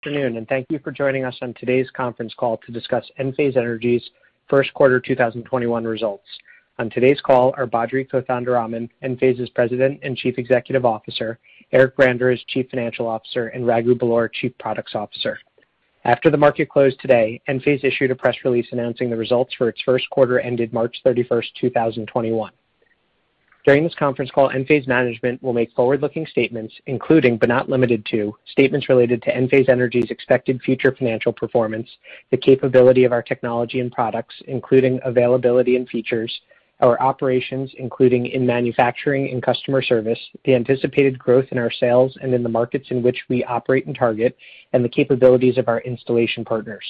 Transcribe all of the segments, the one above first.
Afternoon, thank you for joining us on today's conference call to discuss Enphase Energy's first quarter 2021 results. On today's call are Badri Kothandaraman, Enphase's President and Chief Executive Officer, Eric Branderiz as Chief Financial Officer, and Raghu Belur, Chief Products Officer. After the market closed today, Enphase issued a press release announcing the results for its first quarter ended March 31st, 2021. During this conference call, Enphase management will make forward-looking statements, including, but not limited to, statements related to Enphase Energy's expected future financial performance, the capability of our technology and products, including availability and features, our operations, including in manufacturing and customer service, the anticipated growth in our sales and in the markets in which we operate and target, and the capabilities of our installation partners.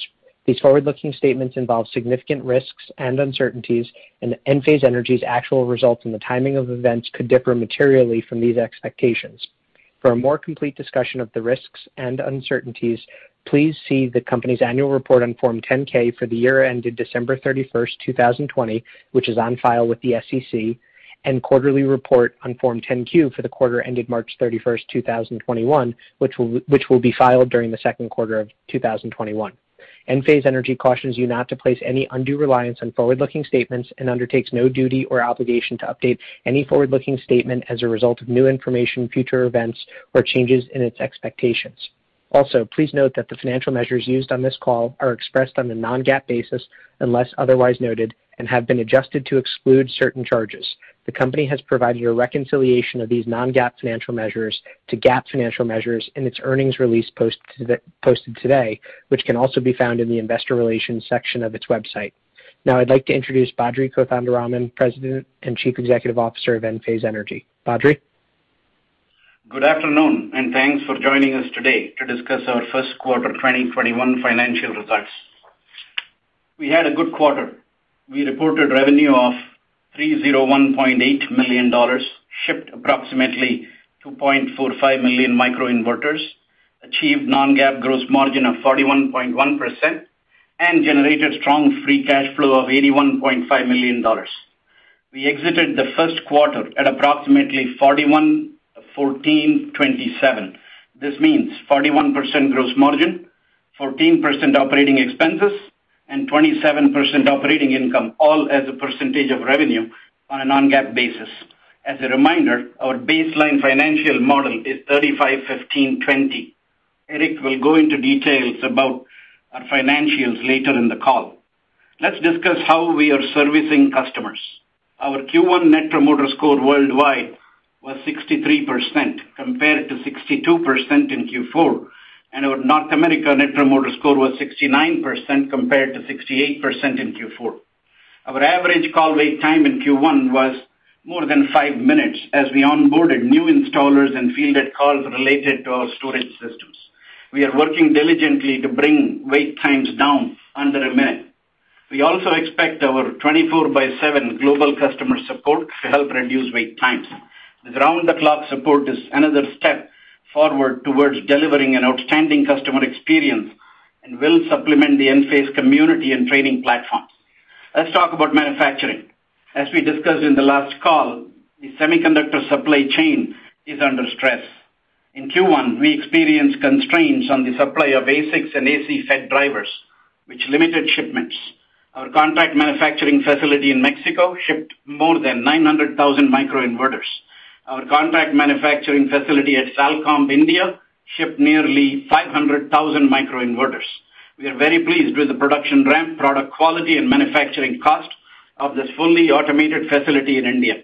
These forward-looking statements involve significant risks and uncertainties, and Enphase Energy's actual results and the timing of events could differ materially from these expectations. For a more complete discussion of the risks and uncertainties, please see the company's annual report on Form 10-K for the year ended December 31st, 2020, which is on file with the SEC, and quarterly report on Form 10-Q for the quarter ended March 31st, 2021, which will be filed during the second quarter of 2021. Enphase Energy cautions you not to place any undue reliance on forward-looking statements and undertakes no duty or obligation to update any forward-looking statement as a result of new information, future events, or changes in its expectations. Please note that the financial measures used on this call are expressed on a non-GAAP basis unless otherwise noted and have been adjusted to exclude certain charges. The company has provided you a reconciliation of these non-GAAP financial measures to GAAP financial measures in its earnings release posted today, which can also be found in the investor relations section of its website. I'd like to introduce Badri Kothandaraman, President and Chief Executive Officer of Enphase Energy. Badri? Good afternoon, and thanks for joining us today to discuss our first quarter 2021 financial results. We had a good quarter. We reported revenue of $301.8 million, shipped approximately 2.45 million microinverters, achieved non-GAAP gross margin of 41.1%, and generated strong free cash flow of $81.5 million. We exited the first quarter at approximately 41, 14, 27. This means 41% gross margin, 14% operating expenses, and 27% operating income, all as a percentage of revenue on a non-GAAP basis. As a reminder, our baseline financial model is 35, 15, 20. Eric will go into details about our financials later in the call. Let's discuss how we are servicing customers. Our Q1 net promoter score worldwide was 63% compared to 62% in Q4, and our North America net promoter score was 69% compared to 68% in Q4. Our average call wait time in Q1 was more than five minutes as we onboarded new installers and fielded calls related to our storage systems. We are working diligently to bring wait times down under a minute. We also expect our 24 by seven global customer support to help reduce wait times. This round-the-clock support is another step forward towards delivering an outstanding customer experience and will supplement the Enphase community and training platforms. Let's talk about manufacturing. As we discussed in the last call, the semiconductor supply chain is under stress. In Q1, we experienced constraints on the supply of ASICs and AC FET drivers, which limited shipments. Our contract manufacturing facility in Mexico shipped more than 900,000 microinverters. Our contract manufacturing facility at Salcomp, India, shipped nearly 500,000 microinverters. We are very pleased with the production ramp, product quality, and manufacturing cost of this fully automated facility in India.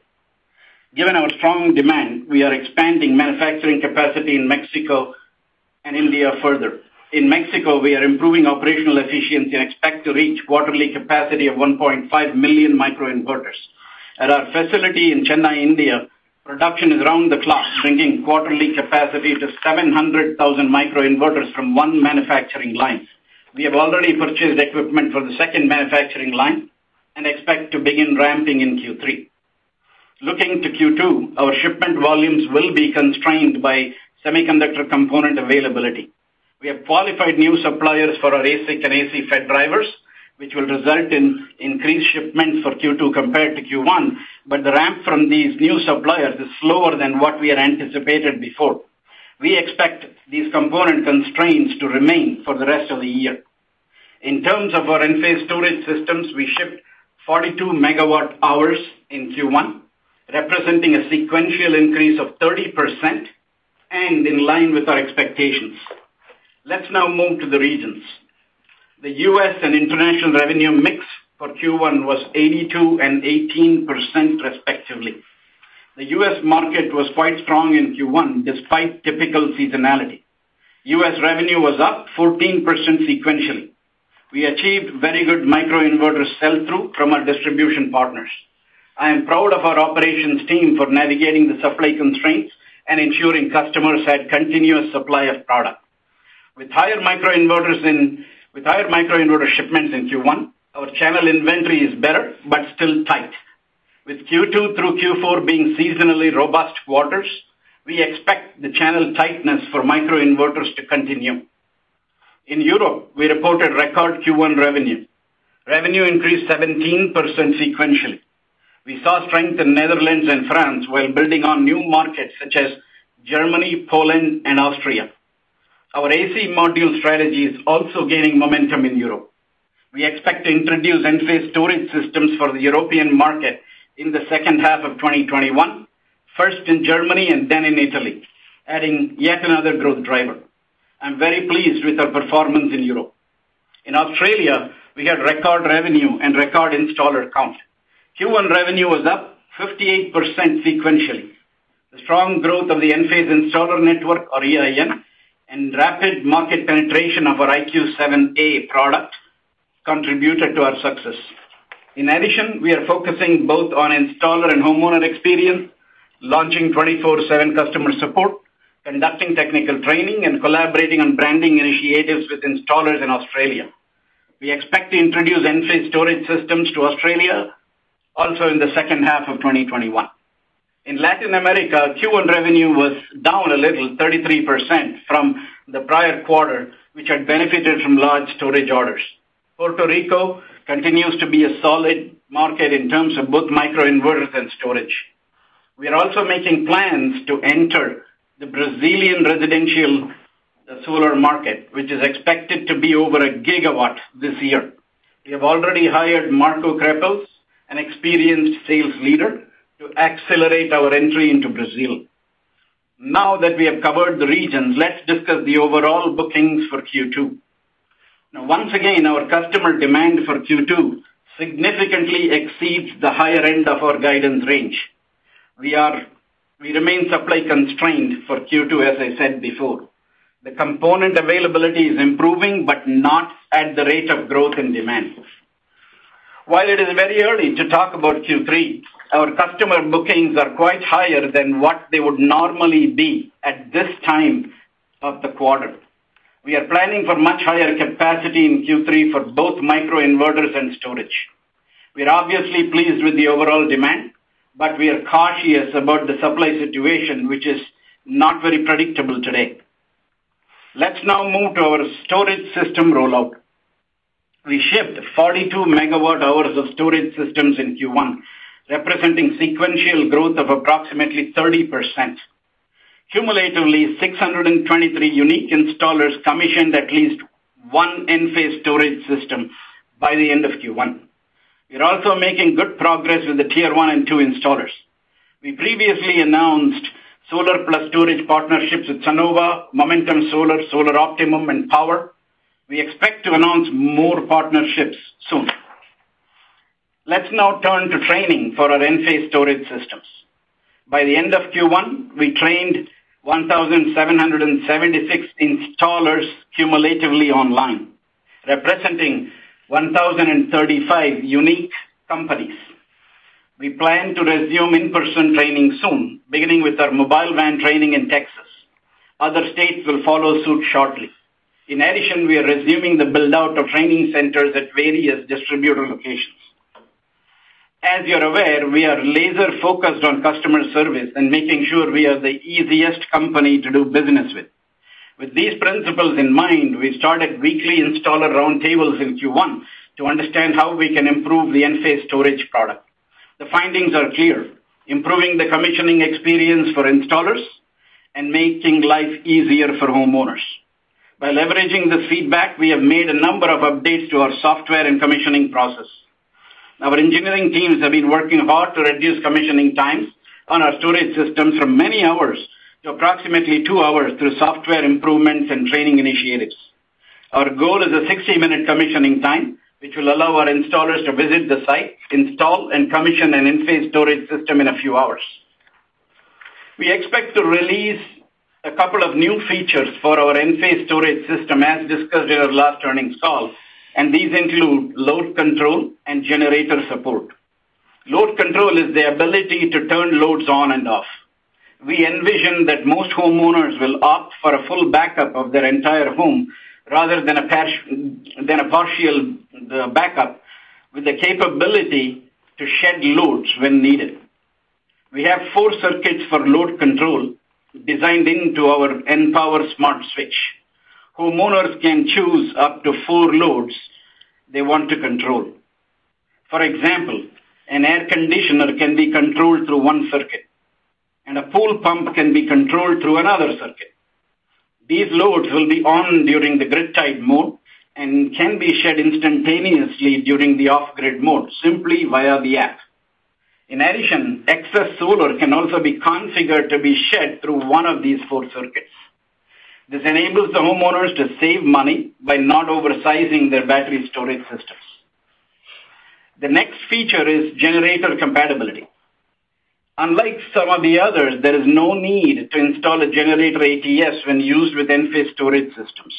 Given our strong demand, we are expanding manufacturing capacity in Mexico and India further. In Mexico, we are improving operational efficiency and expect to reach quarterly capacity of 1.5 million microinverters. At our facility in Chennai, India, production is round the clock, bringing quarterly capacity to 700,000 microinverters from one manufacturing line. We have already purchased equipment for the second manufacturing line and expect to begin ramping in Q3. Looking to Q2, our shipment volumes will be constrained by semiconductor component availability. We have qualified new suppliers for our ASIC and AC FET drivers, which will result in increased shipments for Q2 compared to Q1, but the ramp from these new suppliers is slower than what we had anticipated before. We expect these component constraints to remain for the rest of the year. In terms of our Enphase storage systems, we shipped 42 MWh in Q1, representing a sequential increase of 30% and in line with our expectations. Let's now move to the regions. The U.S. and international revenue mix for Q1 was 82% and 18%, respectively. The U.S. market was quite strong in Q1, despite typical seasonality. U.S. revenue was up 14% sequentially. We achieved very good microinverter sell-through from our distribution partners. I am proud of our operations team for navigating the supply constraints and ensuring customers had continuous supply of product. With higher microinverter shipments in Q1, our channel inventory is better but still tight. With Q2 through Q4 being seasonally robust quarters, we expect the channel tightness for microinverters to continue. In Europe, we reported record Q1 revenue. Revenue increased 17% sequentially. We saw strength in Netherlands and France while building on new markets such as Germany, Poland, and Austria. Our AC module strategy is also gaining momentum in Europe. We expect to introduce Enphase storage systems for the European market in the second half of 2021, first in Germany and then in Italy, adding yet another growth driver. I'm very pleased with our performance in Europe. In Australia, we had record revenue and record installer count. Q1 revenue was up 58% sequentially. The strong growth of the Enphase installer network, or EIN, and rapid market penetration of our IQ7A product contributed to our success. In addition, we are focusing both on installer and homeowner experience, launching 24/7 customer support, conducting technical training, and collaborating on branding initiatives with installers in Australia. We expect to introduce Enphase storage systems to Australia also in the second half of 2021. In Latin America, Q1 revenue was down a little, 33%, from the prior quarter, which had benefited from large storage orders. Puerto Rico continues to be a solid market in terms of both microinverters and storage. We are also making plans to enter the Brazilian residential solar market, which is expected to be over 1 GW this year. We have already hired Marco Krapels, an experienced sales leader, to accelerate our entry into Brazil. That we have covered the regions, let's discuss the overall bookings for Q2. Once again, our customer demand for Q2 significantly exceeds the higher end of our guidance range. We remain supply constrained for Q2, as I said before. The component availability is improving, not at the rate of growth in demand. While it is very early to talk about Q3, our customer bookings are quite higher than what they would normally be at this time of the quarter. We are planning for much higher capacity in Q3 for both microinverters and storage. We are obviously pleased with the overall demand, we are cautious about the supply situation, which is not very predictable today. Let's now move to our storage system rollout. We shipped 42 MWh of storage systems in Q1, representing sequential growth of approximately 30%. Cumulatively, 623 unique installers commissioned at least one Enphase storage system by the end of Q1. We're also making good progress with the tier one and two installers. We previously announced solar plus storage partnerships with Sunnova, Momentum Solar Optimum, and Power. We expect to announce more partnerships soon. Let's now turn to training for our Enphase storage systems. By the end of Q1, we trained 1,776 installers cumulatively online, representing 1,035 unique companies. We plan to resume in-person training soon, beginning with our mobile van training in Texas. Other states will follow suit shortly. In addition, we are resuming the build-out of training centers at various distributor locations. As you're aware, we are laser-focused on customer service and making sure we are the easiest company to do business with. With these principles in mind, we started weekly installer roundtables in Q1 to understand how we can improve the Enphase storage product. The findings are clear, improving the commissioning experience for installers and making life easier for homeowners. By leveraging the feedback, we have made a number of updates to our software and commissioning process. Our engineering teams have been working hard to reduce commissioning times on our storage systems from many hours to approximately two hours through software improvements and training initiatives. Our goal is a 60-minute commissioning time, which will allow our installers to visit the site, install, and commission an Enphase storage system in a few hours. We expect to release a couple of new features for our Enphase storage system, as discussed in our last earnings call, These include load control and generator support. Load control is the ability to turn loads on and off. We envision that most homeowners will opt for a full backup of their entire home rather than a partial backup with the capability to shed loads when needed. We have four circuits for load control designed into our Enpower smart switch. Homeowners can choose up to four loads they want to control. For example, an air conditioner can be controlled through one circuit, and a pool pump can be controlled through another circuit. These loads will be on during the grid-tied mode and can be shed instantaneously during the off-grid mode simply via the app. In addition, excess solar can also be configured to be shed through one of these four circuits. This enables the homeowners to save money by not oversizing their battery storage systems. The next feature is generator compatibility. Unlike some of the others, there is no need to install a generator ATS when used with Enphase storage systems.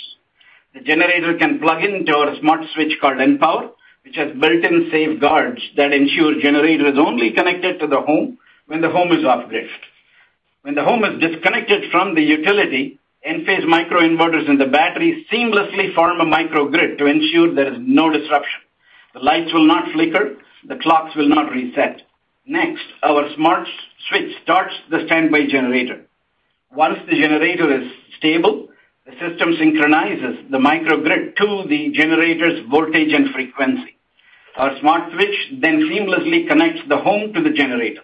The generator can plug into our smart switch called Enpower, which has built-in safeguards that ensure generator is only connected to the home when the home is off-grid. When the home is disconnected from the utility, Enphase microinverters and the battery seamlessly form a microgrid to ensure there is no disruption. The lights will not flicker, the clocks will not reset. Next, our smart switch starts the standby generator. Once the generator is stable, the system synchronizes the microgrid to the generator's voltage and frequency. Our smart switch seamlessly connects the home to the generator.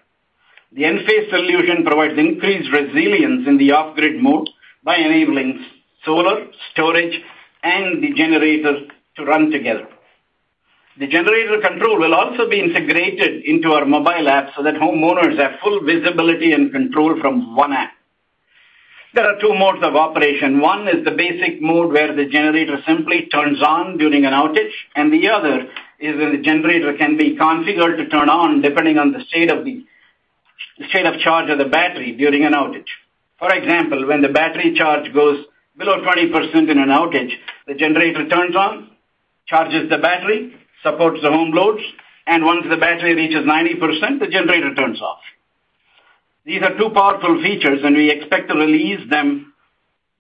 The Enphase solution provides increased resilience in the off-grid mode by enabling solar, storage, and the generator to run together. The generator control will also be integrated into our mobile app so that homeowners have full visibility and control from one app. There are two modes of operation. One is the basic mode where the generator simply turns on during an outage, and the other is where the generator can be configured to turn on depending on the state of charge of the battery during an outage. For example, when the battery charge goes below 20% in an outage, the generator turns on, charges the battery, supports the home loads, and once the battery reaches 90%, the generator turns off. These are two powerful features, and we expect to release them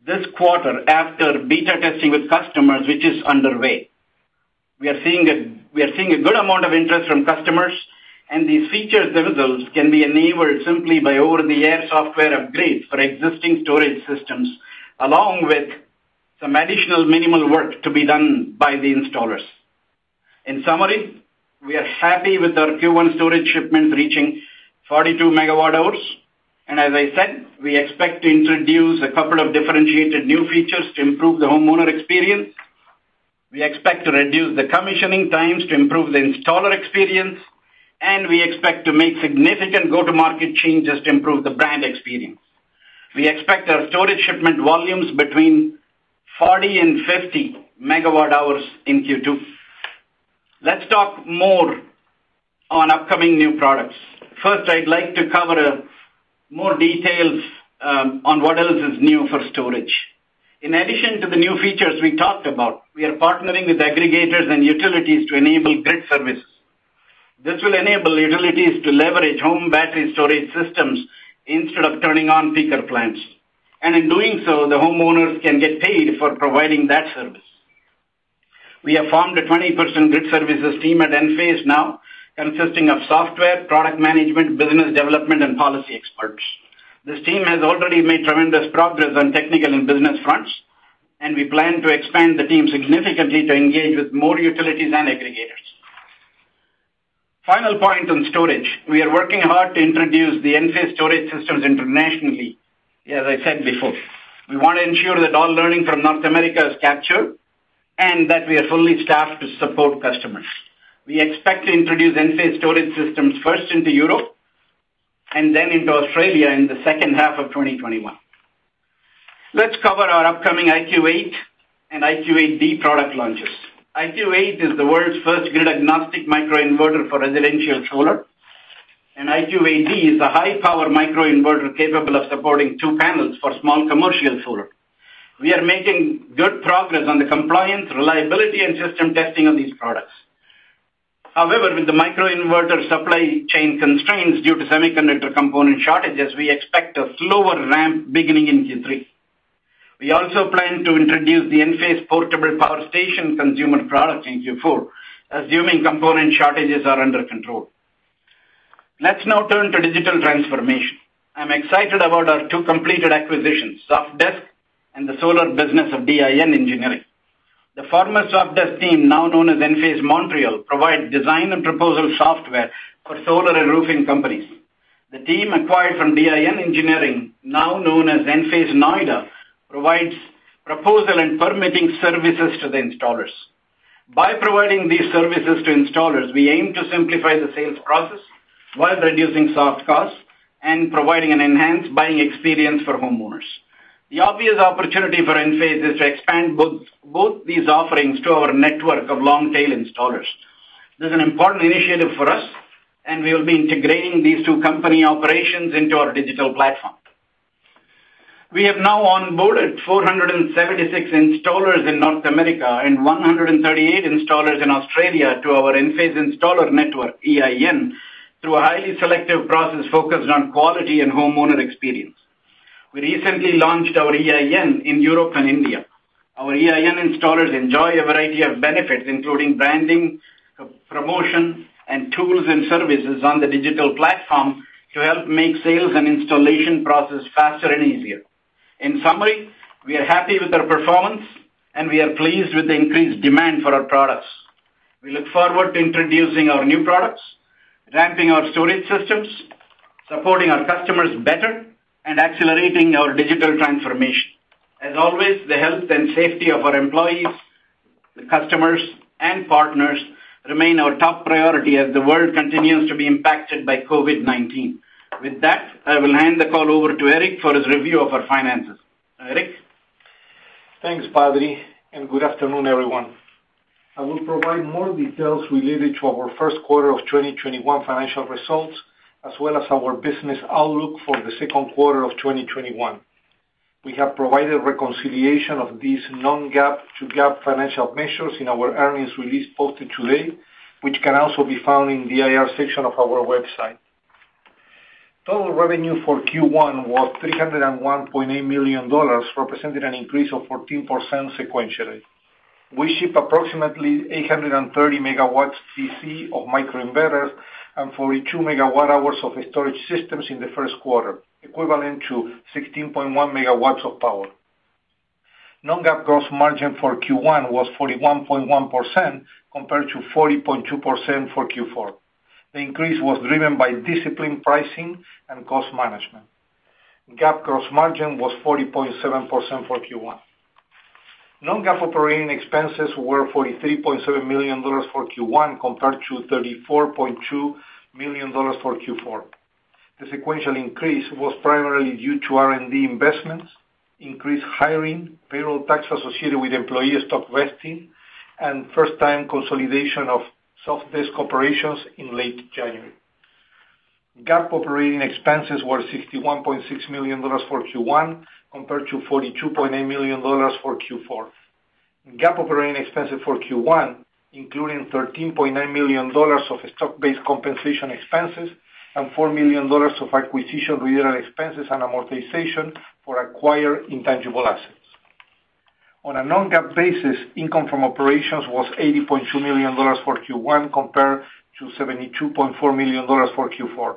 this quarter after beta testing with customers, which is underway. We are seeing a good amount of interest from customers, and these feature dividends can be enabled simply by over-the-air software upgrades for existing storage systems, along with some additional minimal work to be done by the installers. In summary, we are happy with our Q1 storage shipments reaching 42 MWh, and as I said, we expect to introduce a couple of differentiated new features to improve the homeowner experience. We expect to reduce the commissioning times to improve the installer experience, and we expect to make significant go-to-market changes to improve the brand experience. We expect our storage shipment volumes between 40 MWh and 50 MWh in Q2. Let's talk more on upcoming new products. First, I'd like to cover more details on what else is new for storage. In addition to the new features we talked about, we are partnering with aggregators and utilities to enable grid services. This will enable utilities to leverage home battery storage systems instead of turning on peaker plants. In doing so, the homeowners can get paid for providing that service. We have formed a 20-person grid services team at Enphase now, consisting of software, product management, business development, and policy experts. This team has already made tremendous progress on technical and business fronts. We plan to expand the team significantly to engage with more utilities and aggregators. Final point on storage. We are working hard to introduce the Enphase storage systems internationally, as I said before. We want to ensure that all learning from North America is captured and that we are fully staffed to support customers. We expect to introduce Enphase storage systems first into Europe and then into Australia in the second half of 2021. Let's cover our upcoming IQ8 and IQ8D product launches. IQ8 is the world's first grid-agnostic microinverter for residential solar, and IQ8D is a high-power microinverter capable of supporting two panels for small commercial solar. We are making good progress on the compliance, reliability, and system testing of these products. With the microinverter supply chain constraints due to semiconductor component shortages, we expect a slower ramp beginning in Q3. We also plan to introduce the Enphase portable power station consumer product in Q4, assuming component shortages are under control. Let's now turn to digital transformation. I'm excited about our two completed acquisitions, Sofdesk and the solar business of DIN Engineering Services. The former Sofdesk team, now known as Enphase Montreal, provides design and proposal software for solar and roofing companies. The team acquired from DIN Engineering Services, now known as Enphase Noida, provides proposal and permitting services to the installers. By providing these services to installers, we aim to simplify the sales process while reducing soft costs and providing an enhanced buying experience for homeowners. The obvious opportunity for Enphase is to expand both these offerings to our network of long-tail installers. This is an important initiative for us, and we will be integrating these two company operations into our digital platform. We have now onboarded 476 installers in North America and 138 installers in Australia to our Enphase Installer Network, EIN, through a highly selective process focused on quality and homeowner experience. We recently launched our EIN in Europe and India. Our EIN installers enjoy a variety of benefits, including branding, promotion, and tools and services on the digital platform to help make sales and installation process faster and easier. In summary, we are happy with our performance, and we are pleased with the increased demand for our products. We look forward to introducing our new products, ramping our storage systems, supporting our customers better, and accelerating our digital transformation. As always, the health and safety of our employees, customers, and partners remain our top priority as the world continues to be impacted by COVID-19. With that, I will hand the call over to Eric for his review of our finances. Eric? Thanks, Badri, and good afternoon, everyone. I will provide more details related to our first quarter of 2021 financial results, as well as our business outlook for the second quarter of 2021. We have provided reconciliation of these non-GAAP to GAAP financial measures in our earnings release posted today, which can also be found in the IR section of our website. Total revenue for Q1 was $301.8 million, representing an increase of 14% sequentially. We shipped approximately 830 MW DC of microinverters and 42 MWh of storage systems in the first quarter, equivalent to 16.1 MW of power. Non-GAAP gross margin for Q1 was 41.1% compared to 40.2% for Q4. The increase was driven by disciplined pricing and cost management. GAAP gross margin was 40.7% for Q1. Non-GAAP OpEx were $43.7 million for Q1 compared to $34.2 million for Q4. The sequential increase was primarily due to R&D investments, increased hiring, payroll taxes associated with employee stock vesting, and first-time consolidation of Sofdesk operations in late January. GAAP operating expenses were $61.6 million for Q1 compared to $42.8 million for Q4. GAAP operating expenses for Q1, including $13.9 million of stock-based compensation expenses and $4 million of acquisition expenses and amortization for acquired intangible assets. On a non-GAAP basis, income from operations was $80.2 million for Q1 compared to $72.4 million for Q4.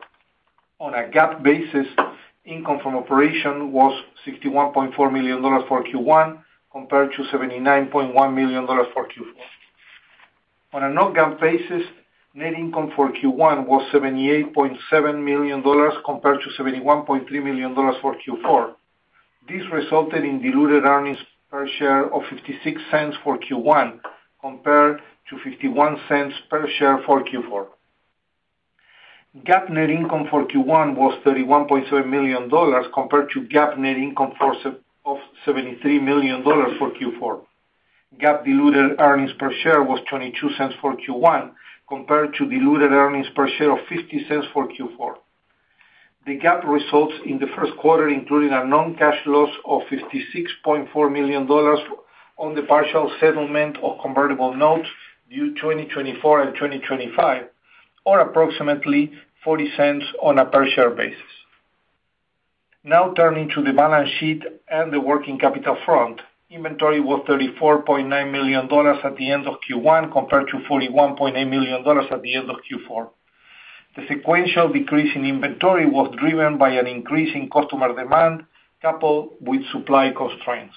On a GAAP basis, income from operation was $61.4 million for Q1 compared to $79.1 million for Q4. On a non-GAAP basis, net income for Q1 was $78.7 million compared to $71.3 million for Q4. This resulted in diluted earnings per share of $0.56 for Q1, compared to $0.51 per share for Q4. GAAP net income for Q1 was $31.7 million, compared to GAAP net income of $73 million for Q4. GAAP diluted earnings per share was $0.22 for Q1, compared to diluted earnings per share of $0.50 for Q4. The GAAP results in the first quarter including a non-cash loss of $56.4 million on the partial settlement of convertible notes due 2024 and 2025, or approximately $0.40 on a per share basis. Turning to the balance sheet and the working capital front. Inventory was $34.9 million at the end of Q1 compared to $41.8 million at the end of Q4. The sequential decrease in inventory was driven by an increase in customer demand, coupled with supply constraints.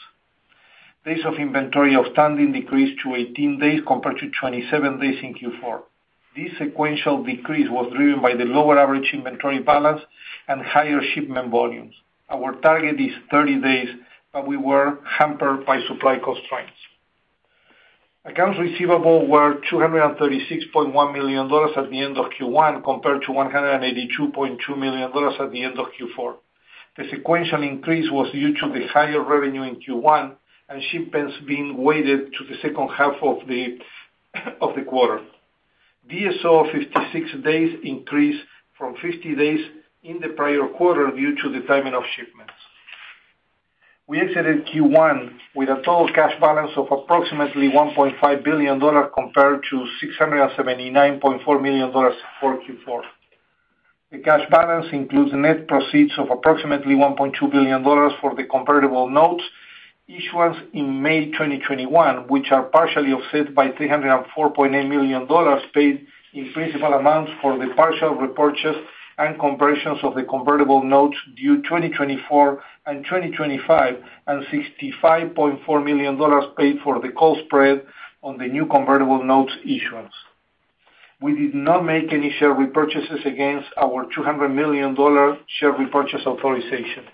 Days of inventory outstanding decreased to 18 days compared to 27 days in Q4. This sequential decrease was driven by the lower average inventory balance and higher shipment volumes. Our target is 30 days, we were hampered by supply constraints. Accounts receivable were $236.1 million at the end of Q1 compared to $182.2 million at the end of Q4. The sequential increase was due to the higher revenue in Q1 and shipments being weighted to the second half of the quarter. DSO of 56 days increased from 50 days in the prior quarter due to the timing of shipments. We exited Q1 with a total cash balance of approximately $1.5 billion compared to $679.4 million for Q4. The cash balance includes net proceeds of approximately $1.2 billion for the convertible notes issuance in May 2021, which are partially offset by $304.8 million paid in principal amounts for the partial repurchase and conversions of the convertible notes due 2024 and 2025, and $65.4 million paid for the call spread on the new convertible notes issuance. We did not make any share repurchases against our $200 million share repurchase authorization.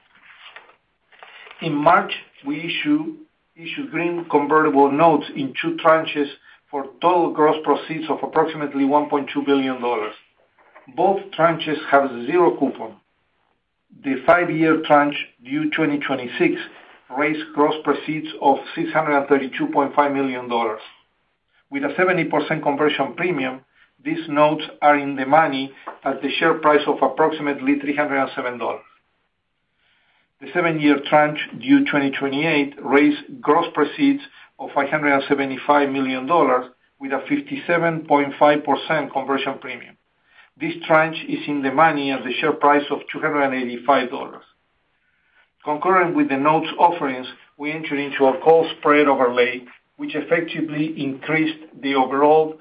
In March, we issued green convertible notes in two tranches for total gross proceeds of approximately $1.2 billion. Both tranches have zero coupon. The five-year tranche, due 2026, raised gross proceeds of $632.5 million. With a 70% conversion premium, these notes are in the money at the share price of approximately $307. The seven-year tranche, due 2028, raised gross proceeds of $575 million with a 57.5% conversion premium. This tranche is in the money at the share price of $285. Concurrent with the notes offerings, we entered into a call spread overlay, which effectively increased the overall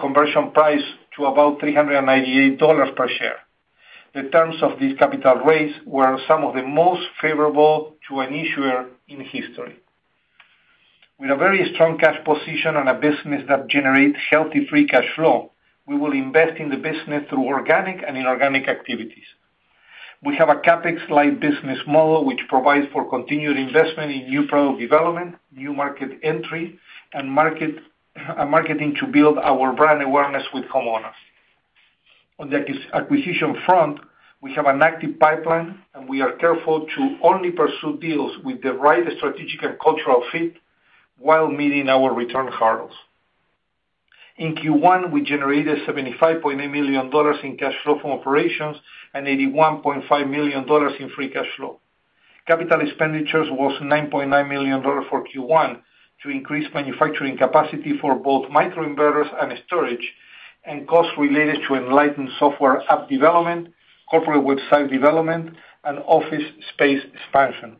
conversion price to about $398 per share. The terms of this capital raise were some of the most favorable to an issuer in history. With a very strong cash position and a business that generates healthy free cash flow, we will invest in the business through organic and inorganic activities. We have a CapEx-light business model, which provides for continued investment in new product development, new market entry, and marketing to build our brand awareness with homeowners. On the acquisition front, we have an active pipeline, and we are careful to only pursue deals with the right strategic and cultural fit while meeting our return hurdles. In Q1, we generated $75.8 million in cash flow from operations and $81.5 million in free cash flow. Capital expenditures was $9.9 million for Q1 to increase manufacturing capacity for both microinverters and storage and costs related to Enlighten software app development, corporate website development, and office space expansion.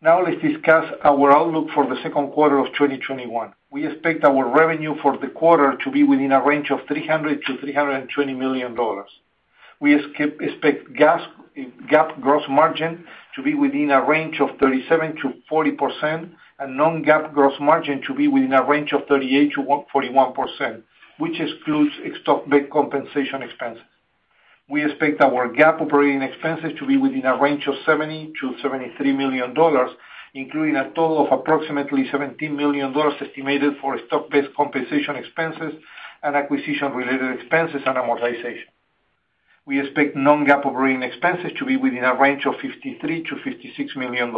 Now let's discuss our outlook for the second quarter of 2021. We expect our revenue for the quarter to be within a range of $300 million-$320 million. We expect GAAP gross margin to be within a range of 37%-40%, and non-GAAP gross margin to be within a range of 38%-41%, which excludes stock-based compensation expenses. We expect our GAAP operating expenses to be within a range of $70 million-$73 million, including a total of approximately $17 million estimated for stock-based compensation expenses and acquisition related expenses and amortization. We expect non-GAAP operating expenses to be within a range of $53 million-$56 million.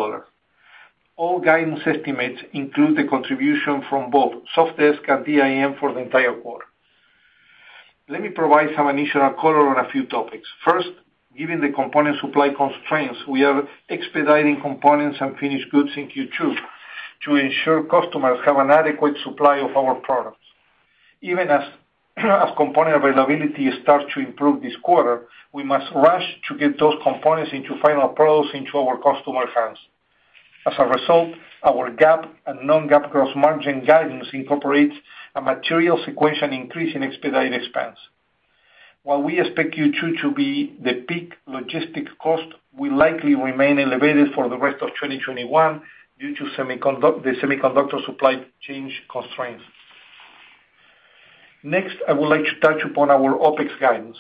All guidance estimates include the contribution from both Sofdesk and DIN for the entire quarter. Let me provide some initial color on a few topics. First, given the component supply constraints, we are expediting components and finished goods in Q2 to ensure customers have an adequate supply of our products. Even as component availability starts to improve this quarter, we must rush to get those components into final products into our customer hands. As a result, our GAAP and non-GAAP gross margin guidance incorporates a material sequential increase in expedited expense. While we expect Q2 to be the peak logistic cost will likely remain elevated for the rest of 2021 due to the semiconductor supply chain constraints. Next, I would like to touch upon our OpEx guidance.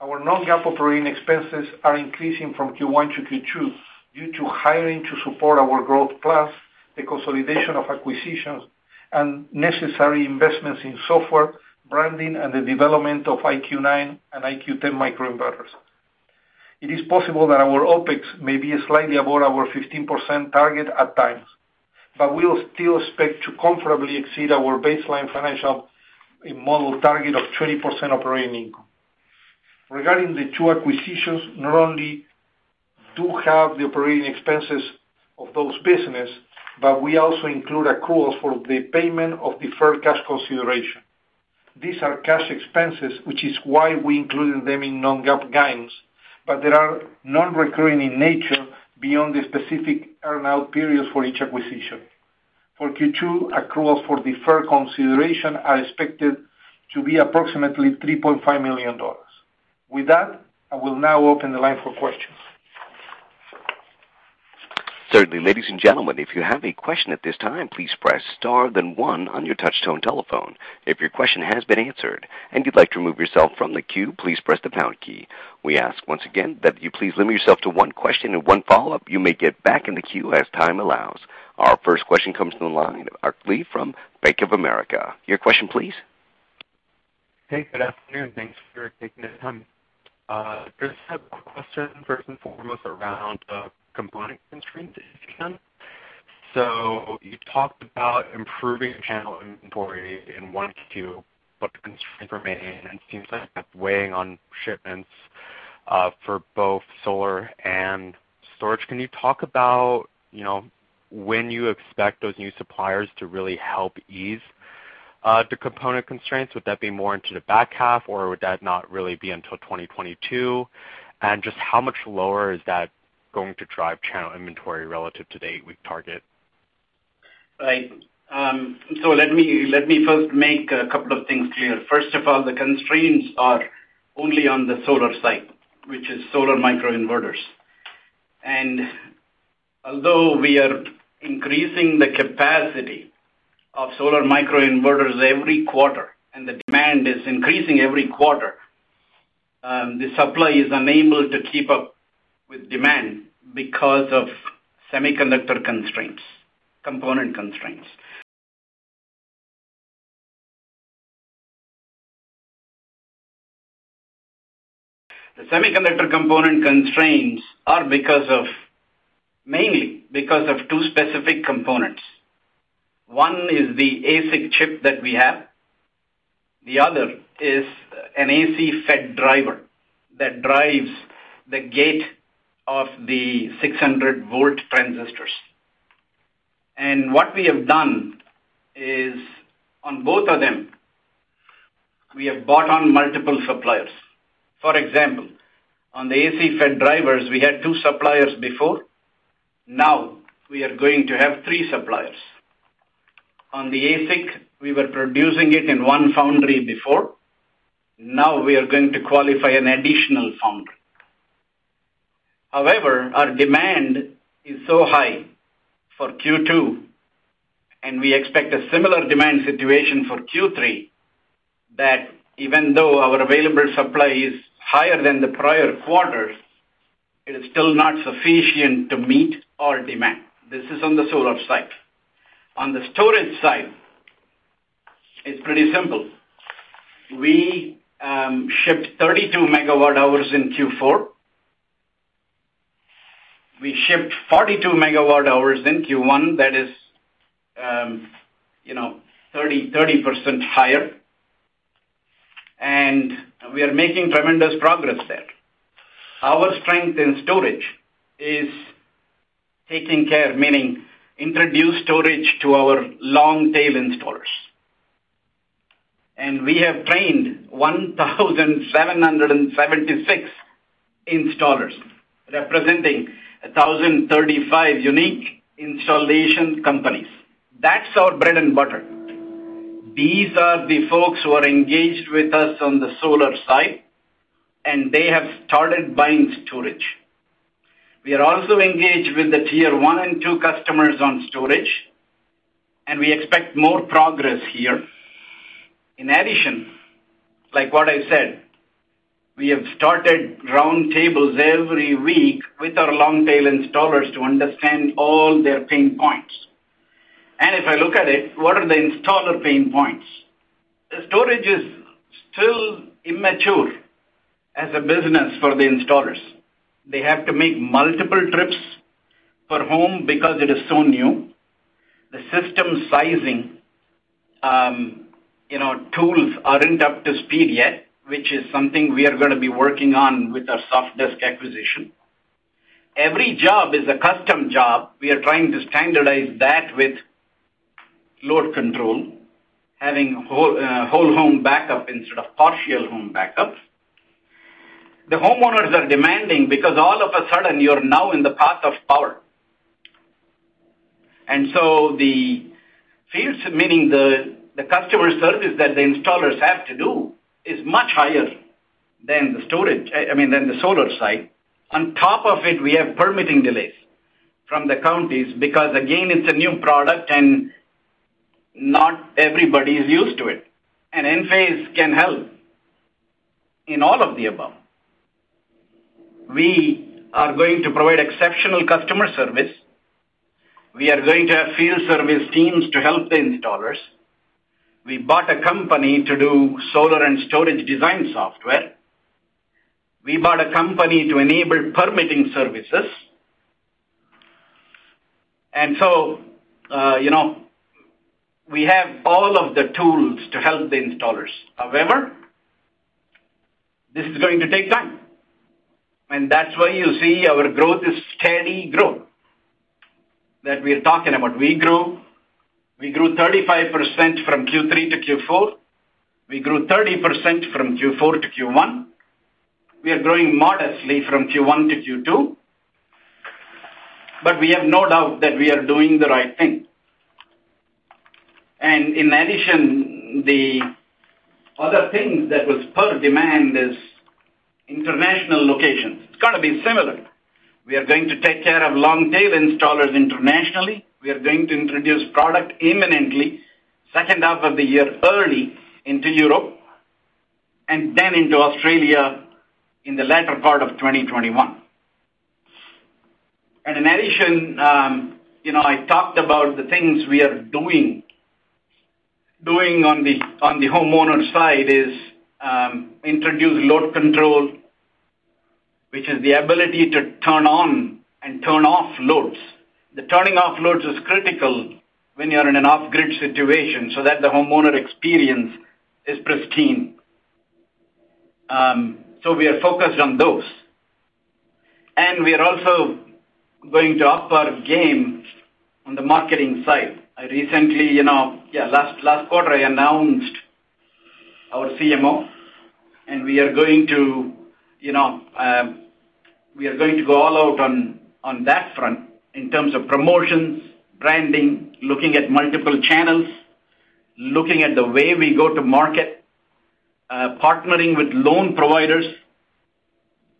Our non-GAAP operating expenses are increasing from Q1 to Q2 due to hiring to support our growth, plus the consolidation of acquisitions and necessary investments in software, branding, and the development of IQ9 and IQ10 microinverters. It is possible that our OpEx may be slightly above our 15% target at times, but we will still expect to comfortably exceed our baseline financial model target of 20% operating income. Regarding the two acquisitions, not only do have the operating expenses of those business, but we also include accruals for the payment of deferred cash consideration. These are cash expenses, which is why we included them in non-GAAP guidance, but they are non-recurring in nature beyond the specific earn-out periods for each acquisition. For Q2, accruals for deferred consideration are expected to be approximately $3.5 million. With that, I will now open the line for questions. Certainly. Ladies and gentlemen, if you have a question at this time, please press star then one on your touchtone telephone. If your question has been answered and you'd like to remove yourself from the queue, please press the pound key. We ask once again that you please limit yourself to one question and one follow-up. You may get back in the queue as time allows. Our first question comes to the line of Aric Li from Bank of America. Your question please. Hey, good afternoon, thanks for taking the time. Just have a question, first and foremost, around the component constraint issue. You talked about improving channel inventory in one Q, but the constraint remains and seems like that's weighing on shipments, for both solar and storage. Can you talk about when you expect those new suppliers to really help ease the component constraints? Would that be more into the back half or would that not really be until 2022? Just how much lower is that going to drive channel inventory relative to the target? Right. Let me first make a couple of things clear. First of all, the constraints are only on the solar side, which is solar microinverters. Although we are increasing the capacity of solar microinverters every quarter, and the demand is increasing every quarter, the supply is unable to keep up with demand because of semiconductor constraints, component constraints. The semiconductor component constraints are mainly because of two specific components. One is the ASIC chip that we have. The other is an AC FET driver that drives the gate of the 600 V transistors. What we have done is on both of them, we have bought on multiple suppliers. For example, on the AC FET drivers, we had two suppliers before. Now we are going to have three suppliers. On the ASIC, we were producing it in one foundry before. Now we are going to qualify an additional foundry. However, our demand is so high for Q2, and we expect a similar demand situation for Q3, that even though our available supply is higher than the prior quarters, it is still not sufficient to meet our demand. This is on the solar side. On the storage side, it's pretty simple. We shipped 32 MWh in Q4. We shipped 42 MWh in Q1. That is 30% higher. We are making tremendous progress there. Our strength in storage is taking care, meaning introduce storage to our long-tail installers. We have trained 1,776 installers representing 1,035 unique installation companies. That's our bread and butter. These are the folks who are engaged with us on the solar side, and they have started buying storage. We are also engaged with the tier one and two customers on storage, and we expect more progress here. In addition, like what I said, we have started round tables every week with our long-tail installers to understand all their pain points. If I look at it, what are the installer pain points? The storage is still immature as a business for the installers. They have to make multiple trips per home because it is so new. The system sizing tools aren't up to speed yet, which is something we are going to be working on with our Sofdesk acquisition. Every job is a custom job. We are trying to standardize that with load control, having whole home backup instead of partial home backups. The homeowners are demanding because all of a sudden you're now in the path of power. The field, meaning the customer service that the installers have to do, is much higher than the solar side. On top of it, we have permitting delays from the counties, because again, it's a new product and not everybody is used to it. Enphase can help in all of the above. We are going to provide exceptional customer service. We are going to have field service teams to help the installers. We bought a company to do solar and storage design software. We bought a company to enable permitting services. We have all of the tools to help the installers. However, this is going to take time, and that's why you see our growth is steady growth that we're talking about. We grew 35% from Q3 to Q4. We grew 30% from Q4 to Q1. We are growing modestly from Q1 to Q2. We have no doubt that we are doing the right thing. In addition, the other things that was per demand is international locations. It's going to be similar. We are going to take care of long-tail installers internationally. We are going to introduce product imminently, second half of the year, early into Europe and then into Australia in the latter part of 2021. In addition, I talked about the things we are doing on the homeowner side is, introduce load control, which is the ability to turn on and turn off loads. The turning off loads is critical when you're in an off-grid situation so that the homeowner experience is pristine. We are focused on those. We are also going to up our game on the marketing side. Last quarter, I announced our CMO, and we are going to go all out on that front in terms of promotions, branding, looking at multiple channels, looking at the way we go to market, partnering with loan providers,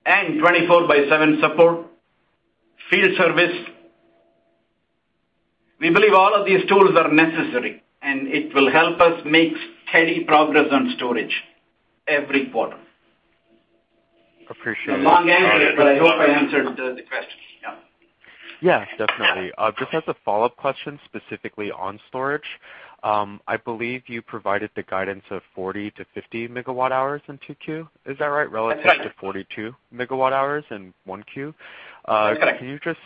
and 24 by seven support, field service. We believe all of these tools are necessary, and it will help us make steady progress on storage every quarter. Appreciate it. A long answer, but I hope I answered the question. Yeah. Yeah, definitely. Just as a follow-up question, specifically on storage. I believe you provided the guidance of 40 MWh-50 MWh in 2Q. Is that right? That's right. Relative to 42 MWh in 1Q. That's right. Can you just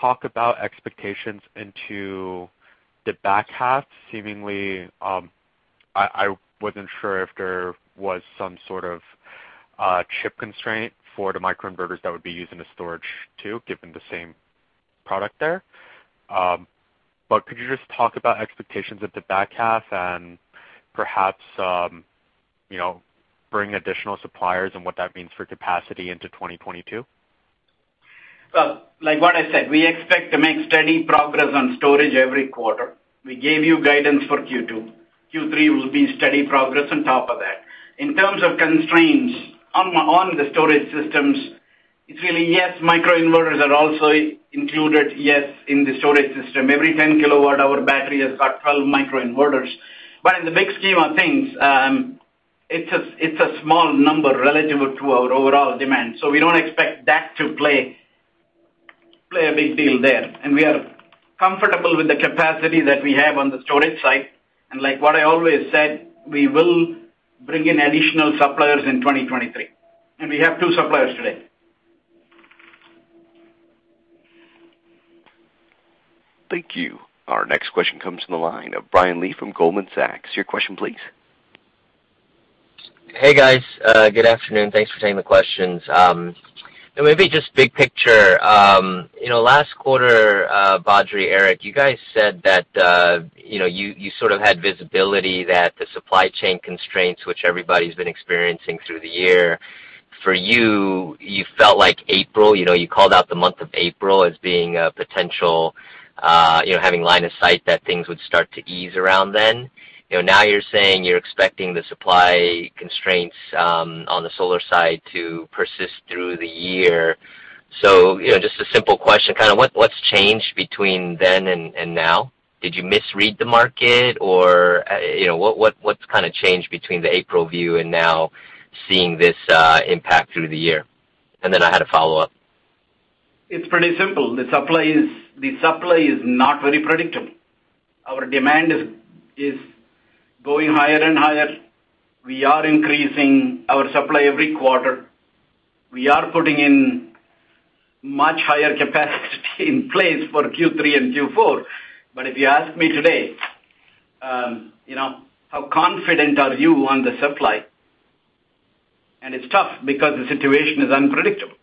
talk about expectations into the back half? Seemingly, I wasn't sure if there was some sort of chip constraint for the microinverters that would be used in the storage too, given the same product there. Could you just talk about expectations at the back half and perhaps, bring additional suppliers and what that means for capacity into 2022? Well, like what I said, we expect to make steady progress on storage every quarter. Q3 will be steady progress on top of that. In terms of constraints on the storage systems, it's really, yes, microinverters are also included, yes, in the storage system. Every 10 kWh battery has got 12 microinverters. In the big scheme of things, it's a small number relative to our overall demand. We don't expect that to play a big deal there. We are comfortable with the capacity that we have on the storage side. Like what I always said, we will bring in additional suppliers in 2023. We have two suppliers today. Thank you. Our next question comes from the line of Brian Lee from Goldman Sachs. Your question, please. Hey, guys. Good afternoon. Thanks for taking the questions. Maybe just big picture. Last quarter, Badri, Eric, you guys said that you sort of had visibility that the supply chain constraints, which everybody's been experiencing through the year, for you felt like April, you called out the month of April as being a potential, having line of sight that things would start to ease around then. Now you're saying you're expecting the supply constraints on the solar side to persist through the year. Just a simple question. What's changed between then and now? Did you misread the market, or what's changed between the April view and now seeing this impact through the year? I had a follow-up. It's pretty simple. The supply is not very predictable. Our demand is going higher and higher. We are increasing our supply every quarter. We are putting in much higher capacity in place for Q3 and Q4. If you ask me today, how confident are you on the supply? It's tough because the situation is unpredictable.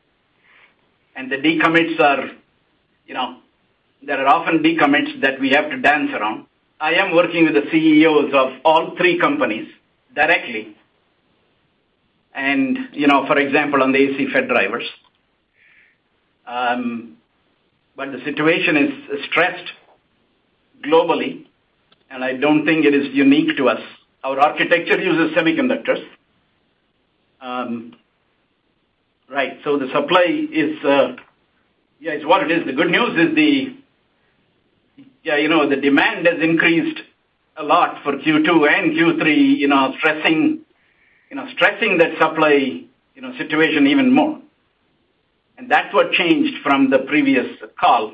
There are often decommits that we have to dance around. I am working with the CEOs of all three companies directly, and for example, on the AC FET drivers. The situation is stressed globally, and I don't think it is unique to us. Our architecture uses semiconductors. Right. The supply is what it is. The good news is the demand has increased a lot for Q2 and Q3, stressing that supply situation even more. That's what changed from the previous call.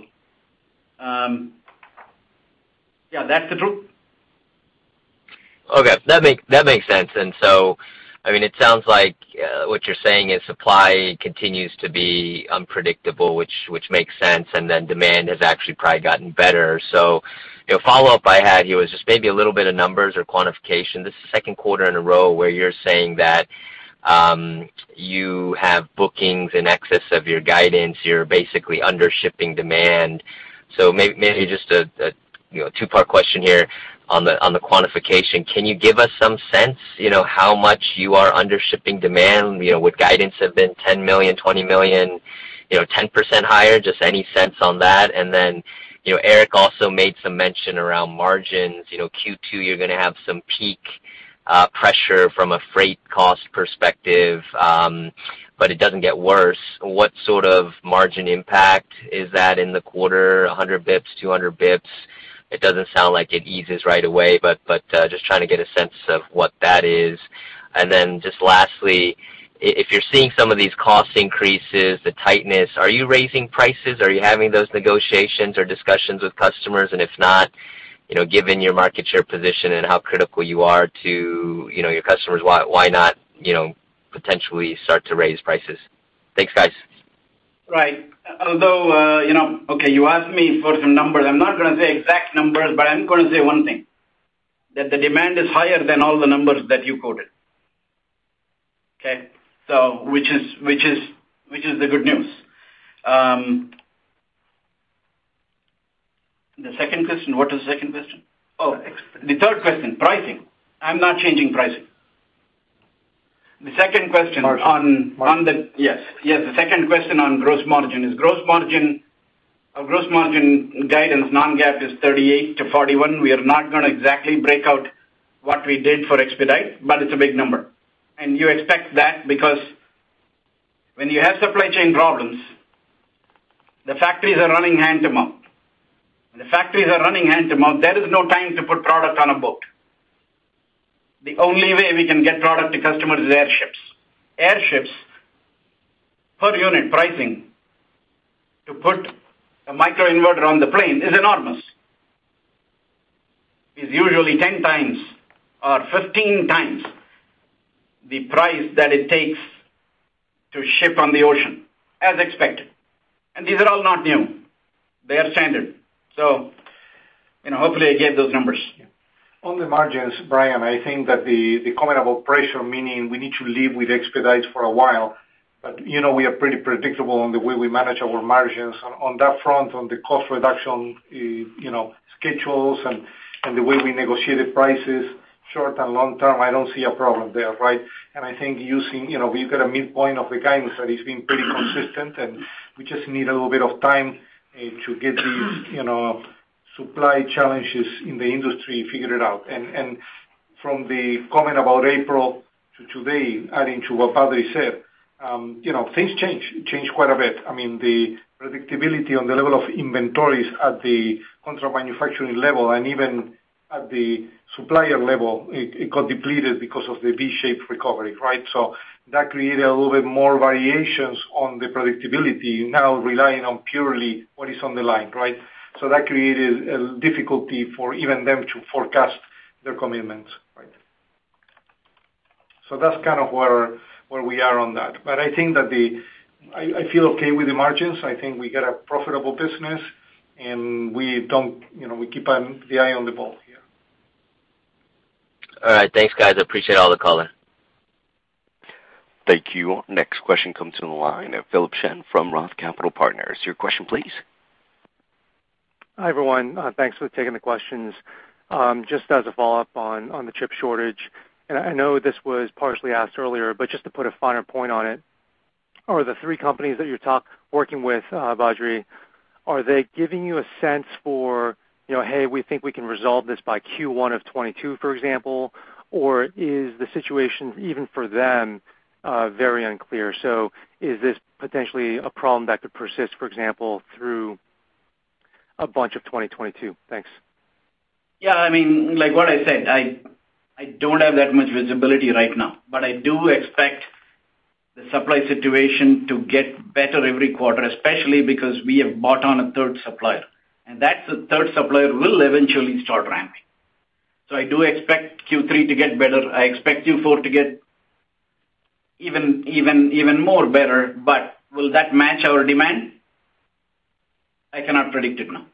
Yeah, that's the truth. Okay. That makes sense. It sounds like what you're saying is supply continues to be unpredictable, which makes sense, and then demand has actually probably gotten better. Follow-up I had here was just maybe a little bit of numbers or quantification. This is the second quarter in a row where you're saying that you have bookings in excess of your guidance. You're basically under-shipping demand. Maybe just a two-part question here on the quantification. Can you give us some sense how much you are under-shipping demand? Would guidance have been 10 million, 20 million, 10% higher? Just any sense on that. Eric also made some mention around margins. Q2, you're going to have some peak pressure from a freight cost perspective, but it doesn't get worse. What sort of margin impact is that in the quarter? 100 bips, 200 bips? It doesn't sound like it eases right away, but just trying to get a sense of what that is. Then just lastly, if you're seeing some of these cost increases, the tightness, are you raising prices? Are you having those negotiations or discussions with customers? If not, given your market share position and how critical you are to your customers, why not potentially start to raise prices? Thanks, guys. Right. okay, you asked me for some numbers. I'm not going to say exact numbers, but I'm going to say one thing, that the demand is higher than all the numbers that you quoted, okay? Which is the good news. The second question, what is the second question? Oh, the third question, pricing. I'm not changing pricing. The second question on- Margin. Yes. The second question on gross margin. Our gross margin guidance non-GAAP is 38-41. We are not going to exactly break out what we did for expedite, but it's a big number. You expect that because when you have supply chain problems, the factories are running hand-to-mouth. When the factories are running hand-to-mouth, there is no time to put product on a boat. The only way we can get product to customer is airships. Airships per unit pricing to put a microinverter on the plane is enormous. It's usually 10 times or 15 times the price that it takes to ship on the ocean as expected. These are all not new. They are standard. Hopefully I gave those numbers. On the margins, Brian, I think that the comment about pressure, meaning we need to live with expedites for a while, but we are pretty predictable on the way we manage our margins on that front, on the cost reduction schedules and the way we negotiate the prices short and long term, I don't see a problem there, right? I think using, we've got a midpoint of the guidance that is being pretty consistent, and we just need a little bit of time to get these supply challenges in the industry figured out. From the comment about April to today, adding to what Badri said, things change quite a bit. The predictability on the level of inventories at the contract manufacturing level and even at the supplier level, it got depleted because of the V-shaped recovery, right? That created a little bit more variations on the predictability, now relying on purely what is on the line, right? That created a difficulty for even them to forecast their commitments. that's kind of where we are on that. I think that I feel okay with the margins. I think we got a profitable business, and we keep the eye on the ball here. All right. Thanks, guys. I appreciate all the color. Thank you. Next question comes in the line of Philip Shen from Roth Capital Partners. Your question please. Hi, everyone. Thanks for taking the questions. Just as a follow-up on the chip shortage, and I know this was partially asked earlier, but just to put a finer point on it, are the three companies that you're working with, Badri, are they giving you a sense for, "Hey, we think we can resolve this by Q1 of 2022," for example? Or is the situation, even for them, very unclear? Is this potentially a problem that could persist, for example, through a bunch of 2022? Thanks. Yeah. Like what I said, I don't have that much visibility right now. I do expect the supply situation to get better every quarter, especially because we have bought on a third supplier. That third supplier will eventually start ramping. I do expect Q3 to get better. I expect Q4 to get even more better. Will that match our demand? I cannot predict it now.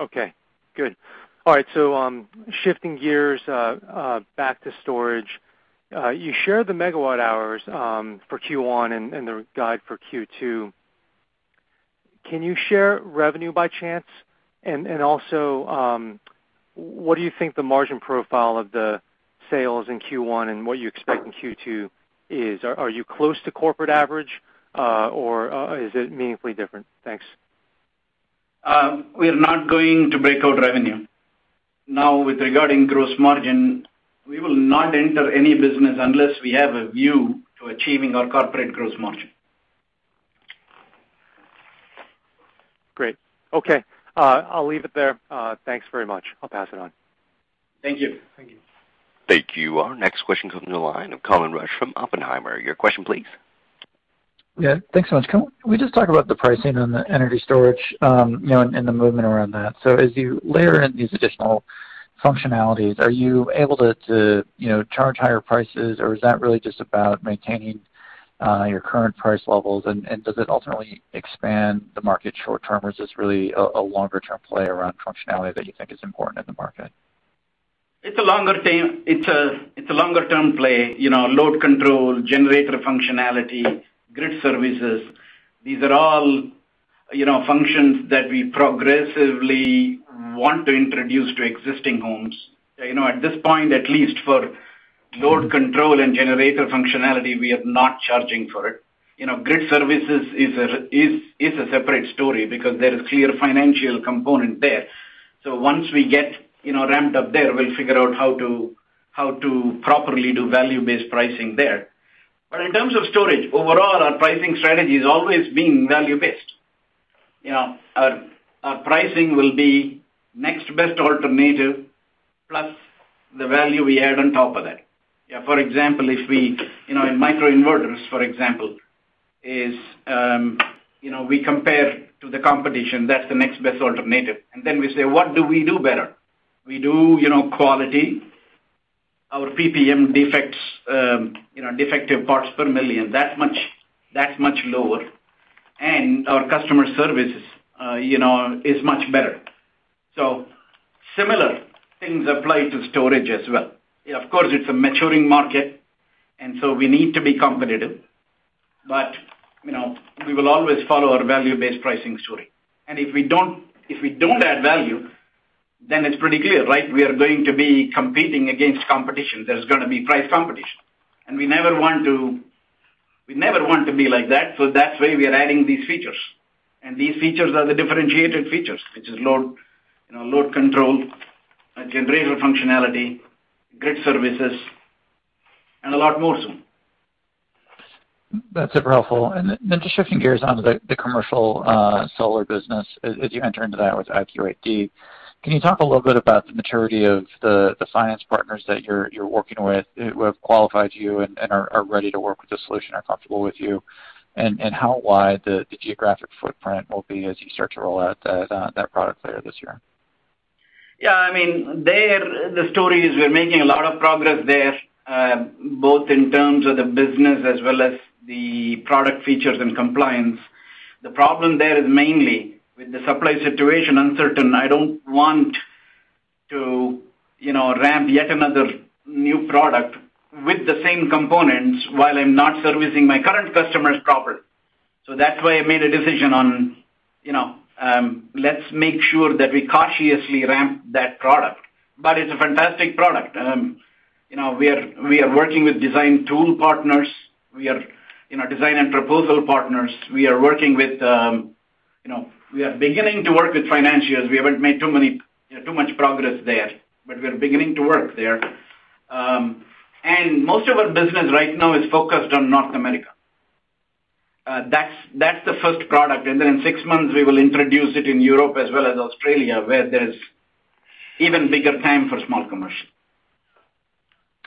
Okay, good. All right. Shifting gears, back to storage. You shared the megawatt hours for Q1 and the guide for Q2. Can you share revenue by chance? also, what do you think the margin profile of the sales in Q1 and what you expect in Q2 is? Are you close to corporate average? is it meaningfully different? Thanks. We are not going to break out revenue. Now, with regarding gross margin, we will not enter any business unless we have a view to achieving our corporate gross margin. Great. Okay. I'll leave it there. Thanks very much. I'll pass it on. Thank you. Thank you. Thank you. Our next question comes in the line of Colin Rusch from Oppenheimer. Your question please. Yeah, thanks so much. Can we just talk about the pricing on the energy storage, and the movement around that? As you layer in these additional functionalities, are you able to charge higher prices, or is that really just about maintaining your current price levels? Does it ultimately expand the market short-term, or is this really a longer-term play around functionality that you think is important in the market? It's a longer term play. Load control, generator functionality, grid services. These are all functions that we progressively want to introduce to existing homes. At this point, at least for load control and generator functionality, we are not charging for it. Grid services is a separate story because there is clear financial component there. Once we get ramped up there, we'll figure out how to properly do value-based pricing there. In terms of storage, overall, our pricing strategy has always been value-based. Our pricing will be next best alternative, plus the value we add on top of that. For example, in micro inverters, for example, is we compare to the competition. That's the next best alternative. Then we say, "What do we do better?" We do quality. Our PPM defects, defective parts per million, that's much lower. Our customer service is much better. Similar things apply to storage as well. Of course, it's a maturing market, and so we need to be competitive. We will always follow our value-based pricing story. If we don't add value, then it's pretty clear, right? We are going to be competing against competition. There's going to be price competition. We never want to be like that. That's why we are adding these features. These features are the differentiated features, which is load control, generator functionality, grid services, and a lot more soon. That's super helpful. Just shifting gears onto the commercial solar business, as you enter into that with IQ8D, can you talk a little bit about the maturity of the science partners that you're working with, who have qualified you and are ready to work with the solution, are comfortable with you? How wide the geographic footprint will be as you start to roll out that product later this year? Yeah. There, the story is we're making a lot of progress there, both in terms of the business as well as the product features and compliance. The problem there is mainly with the supply situation uncertain, I don't want to ramp yet another new product with the same components while I'm not servicing my current customers properly. that's why I made a decision on, let's make sure that we cautiously ramp that product. it's a fantastic product. We are working with design tool partners. Design and proposal partners. We are beginning to work with financials. We haven't made too much progress there, but we are beginning to work there. most of our business right now is focused on North America. That's the first product. then in six months, we will introduce it in Europe as well as Australia, where there's even bigger time for small commercial.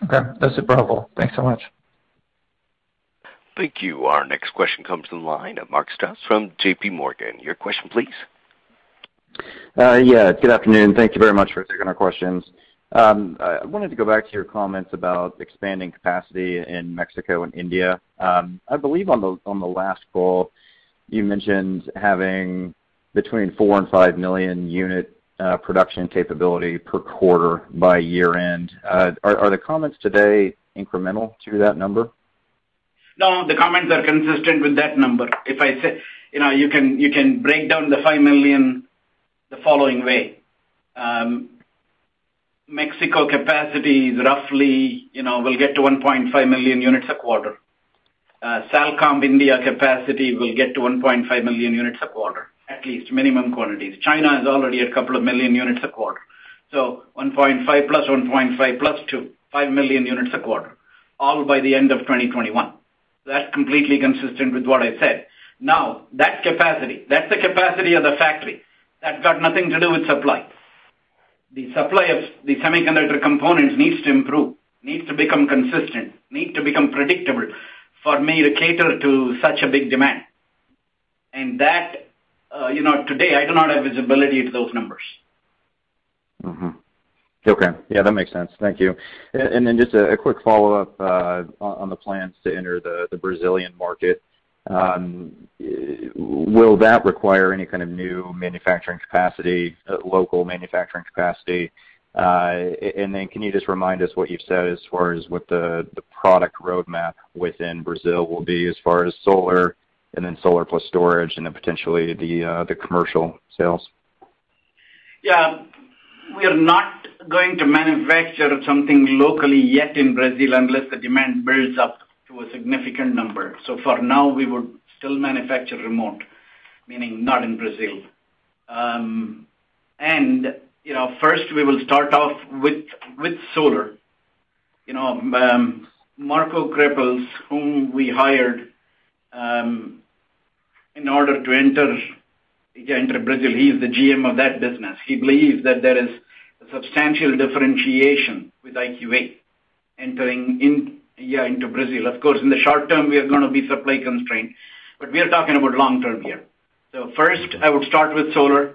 Okay. That's super helpful. Thanks so much. Thank you. Our next question comes in the line Mark Strouse from JPMorgan. Your question, please. Yeah. Good afternoon. Thank you very much for taking our questions. I wanted to go back to your comments about expanding capacity in Mexico and India. I believe on the last call, you mentioned having between four and five million unit production capability per quarter by year-end. Are the comments today incremental to that number? No, the comments are consistent with that number. You can break down the five million the following way. Mexico capacity is roughly, we'll get to 1.5 million units a quarter. Salcomp India capacity will get to 1.5 million units a quarter, at least minimum quantities. China is already a couple of million units a quarter. 1.5 plus 1.5 plus 2, five million units a quarter, all by the end of 2021. That's completely consistent with what I said. Now, that capacity, that's the capacity of the factory. That got nothing to do with supply. The supply of the semiconductor components needs to improve, needs to become consistent, needs to become predictable for me to cater to such a big demand. That, today, I do not have visibility to those numbers. Okay. Yeah, that makes sense. Thank you. Just a quick follow-up, on the plans to enter the Brazilian market. Will that require any kind of new manufacturing capacity, local manufacturing capacity? Can you just remind us what you've said as far as what the product roadmap within Brazil will be as far as solar and then solar plus storage, and then potentially the commercial sales? Yeah. We are not going to manufacture something locally yet in Brazil unless the demand builds up to a significant number. For now, we would still manufacture remote, meaning not in Brazil. First, we will start off with solar. Marco Krapels, whom we hired, in order to enter Brazil, he is the GM of that business. He believes that there is substantial differentiation with IQ8 entering into Brazil. Of course, in the short term, we are going to be supply-constrained, but we are talking about long term here. First, I would start with solar,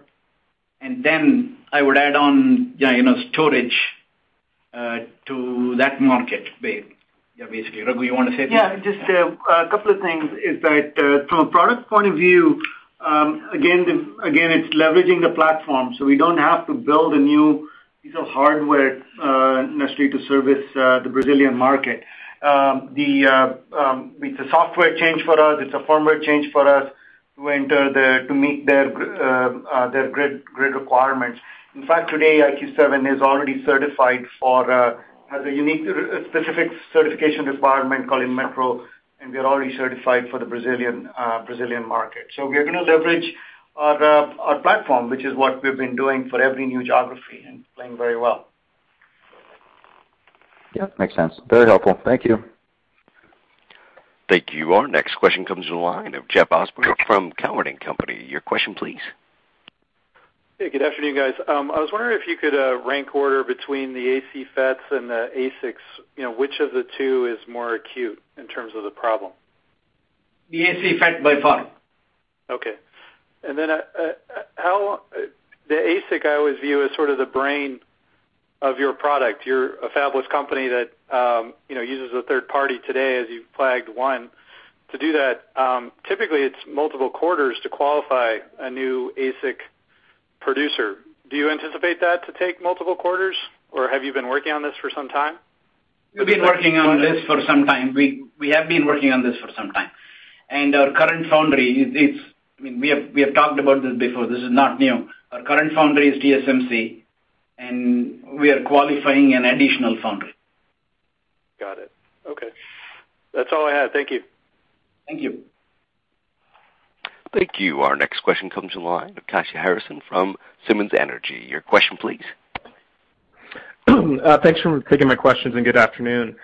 and then I would add on storage, to that market, basically. Raghu, you want to say something? Yeah, just a couple of things, is that, from a product point of view, again, it's leveraging the platform, we don't have to build a new piece of hardware, necessarily, to service the Brazilian market. It's a software change for us. It's a firmware change for us to meet their grid requirements. In fact, today, IQ7 is already certified for, has a unique specific certification requirement called INMETRO, we are already certified for the Brazilian market. We are going to leverage our platform, which is what we've been doing for every new geography, it's playing very well. Yeah, makes sense. Very helpful. Thank you. Thank you. Our next question comes in the line of Jeff Osborne from Cowen and Company. Your question, please. Hey, good afternoon, guys. I was wondering if you could rank order between the AC FETs and the ASICs. Which of the two is more acute in terms of the problem? The AC FET by far. Okay. The ASIC I always view as sort of the brain of your product. You're a fabless company that uses a third party today, as you've flagged one to do that. Typically, it's multiple quarters to qualify a new ASIC producer. Do you anticipate that to take multiple quarters, or have you been working on this for some time? We have been working on this for some time. Our current foundry is, we have talked about this before, this is not new. Our current foundry is TSMC, and we are qualifying an additional foundry. Got it. Okay. That's all I had. Thank you. Thank you. Thank you. Our next question comes in the line of Kashy Harrison from Simmons Energy. Your question, please. Thanks for taking my questions, and good afternoon.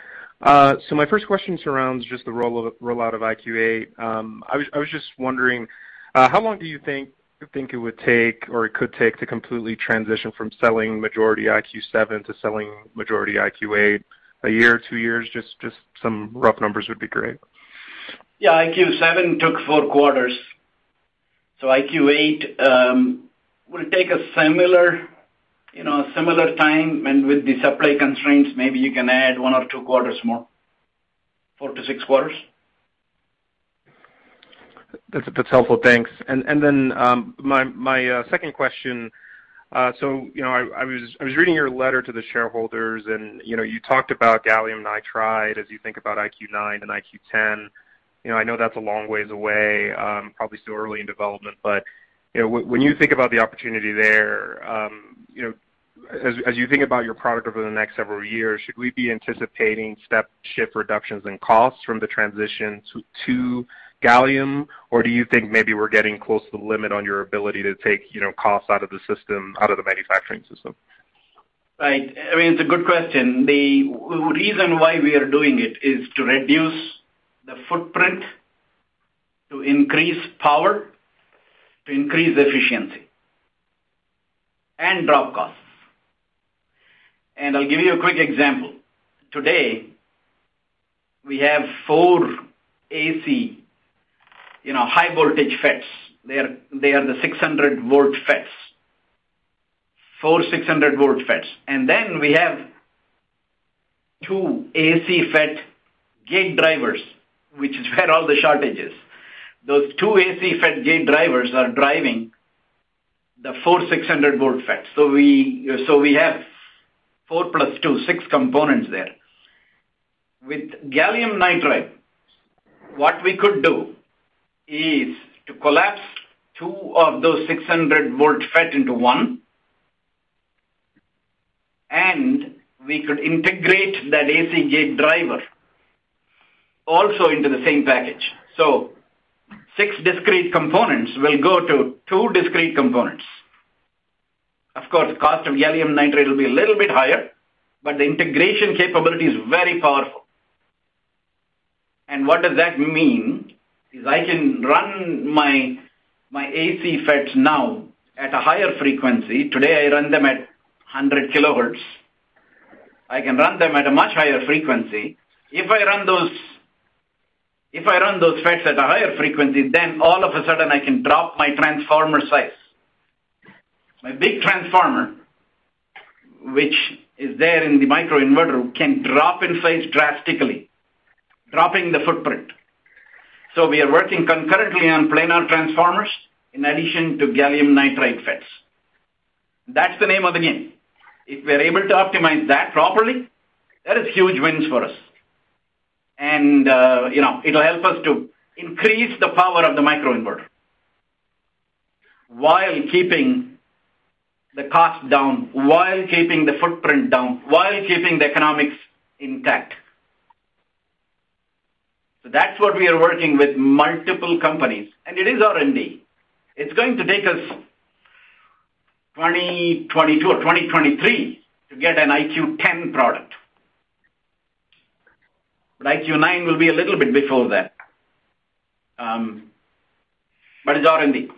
My first question surrounds just the rollout of IQ8. I was just wondering, how long do you think it would take, or it could take to completely transition from selling majority IQ7 to selling majority IQ8? One year, two years? Just some rough numbers would be great. Yeah. IQ7 took four quarters. IQ8 will take a similar time. With the supply constraints, maybe you can add one or two quarters more. Four to six quarters. That's helpful. Thanks. My second question. I was reading your letter to the shareholders, and you talked about gallium nitride as you think about IQ9 and IQ10. I know that's a long ways away, probably still early in development. When you think about the opportunity there, as you think about your product over the next several years, should we be anticipating step-shift reductions in costs from the transition to gallium? Do you think maybe we're getting close to the limit on your ability to take costs out of the system, out of the manufacturing system? Right. It's a good question. The reason why we are doing it is to reduce the footprint, to increase power, to increase efficiency, and drop costs. I'll give you a quick example. Today, we have four AC high voltage FETs. They are the 600 V AC FETs. Four 600 V AC FETs. We have two AC FET gate drivers, which is where all the shortage is. Those two AC FET gate drivers are driving the four 600 V AC FETs. We have four plus two, six components there. With gallium nitride, what we could do is to collapse two of those 600 V AC FET into one, and we could integrate that AC FET gate driver also into the same package. Six discrete components will go to two discrete components. Cost of gallium nitride will be a little bit higher, but the integration capability is very powerful. What does that mean is I can run my AC FETs now at a higher frequency. Today, I run them at 100 kHz. I can run them at a much higher frequency. If I run those FETs at a higher frequency, then all of a sudden, I can drop my transformer size. My big transformer, which is there in the microinverter, can drop in size drastically, dropping the footprint. We are working concurrently on planar transformers in addition to gallium nitride FETs. That's the name of the game. If we're able to optimize that properly, that is huge wins for us. It'll help us to increase the power of the microinverter while keeping the cost down, while keeping the footprint down, while keeping the economics intact. That's what we are working with multiple companies, and it is R&D. It's going to take us 2022 or 2023 to get an IQ10 product. IQ9 will be a little bit before that. It's R&D.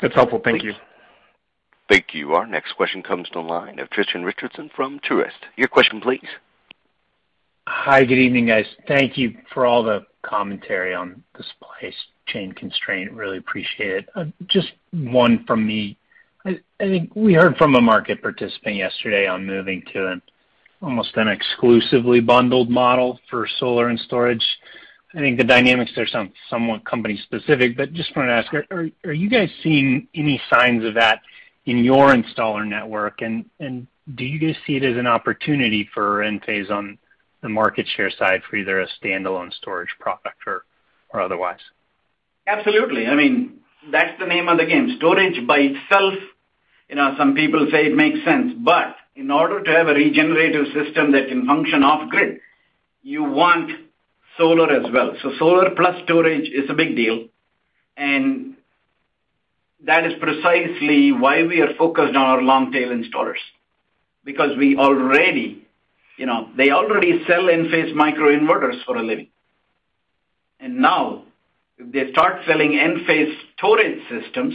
That's helpful. Thank you. Thank you. Our next question comes to the line of Tristan Richardson from Truist. Your question please. Hi. Good evening, guys. Thank you for all the commentary on the supply chain constraint. Really appreciate it. Just one from me. I think we heard from a market participant yesterday on moving to an almost an exclusively bundled model for solar and storage. I think the dynamics there sound somewhat company specific, but just want to ask, are you guys seeing any signs of that in your installer network? Do you guys see it as an opportunity for Enphase on the market share side for either a standalone storage product or otherwise? Absolutely. That's the name of the game. Storage by itself, some people say it makes sense, but in order to have a regenerative system that can function off grid, you want solar as well. Solar plus storage is a big deal, and that is precisely why we are focused on our long-tail installers. They already sell Enphase microinverters for a living. Now, if they start selling Enphase storage systems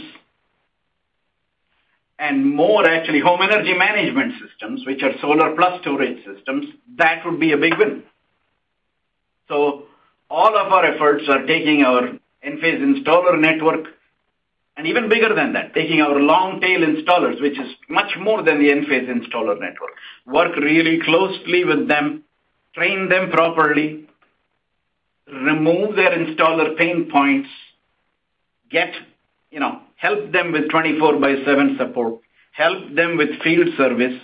and more actually home energy management systems, which are solar plus storage systems, that would be a big win. All of our efforts are taking our Enphase installer network, and even bigger than that, taking our long-tail installers, which is much more than the Enphase installer network, work really closely with them, train them properly, remove their installer pain points, help them with 24 by 7 support, help them with field service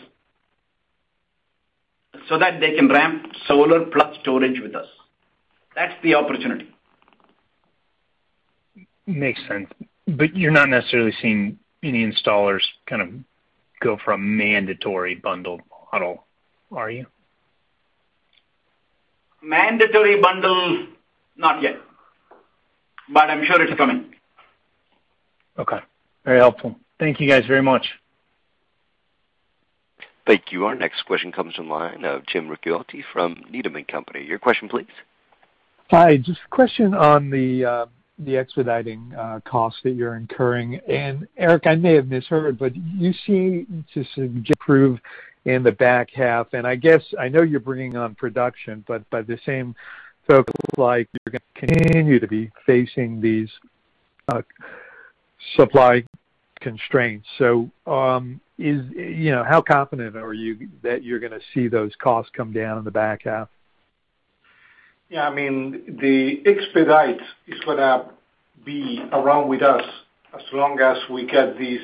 so that they can ramp solar plus storage with us. That's the opportunity. Makes sense. You're not necessarily seeing any installers kind of go for a mandatory bundle model, are you? Mandatory bundle, not yet. I'm sure it's coming. Okay. Very helpful. Thank you guys very much. Thank you. Our next question comes from line of Jim Ricchiuti from Needham & Company. Your question please. Hi, just a question on the expediting cost that you're incurring. Eric, I may have misheard, but you seem to suggest improve in the back half. I guess I know you're bringing on production, but by the same token, it looks like you're going to continue to be facing these supply constraints. How confident are you that you're going to see those costs come down in the back half? Yeah. The expedite is going to be around with us as long as we get these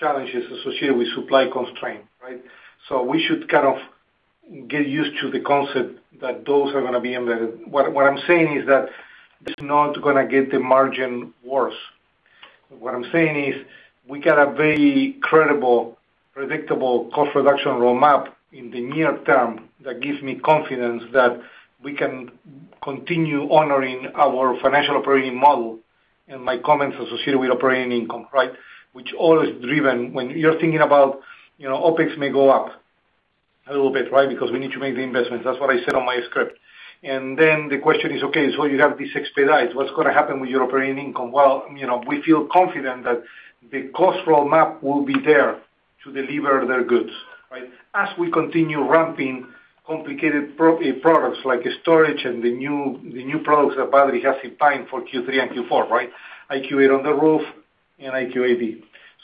challenges associated with supply constraint, right? We should kind of get used to the concept that those are going to be in there. What I'm saying is that it's not going to get the margin worse. What I'm saying is we got a very credible, predictable cost reduction roadmap in the near term that gives me confidence that we can continue honoring our financial operating model, and my comments associated with operating income, right? Which all is driven when you're thinking about, OpEx may go up a little bit, right? Because we need to make the investments. That's what I said on my script. The question is, okay, you have these expedites. What's going to happen with your operating income? Well, we feel confident that the cost road map will be there to deliver their goods, right? As we continue ramping complicated products like storage and the new products that Badri has in mind for Q3 and Q4, right? IQ8 on the roof and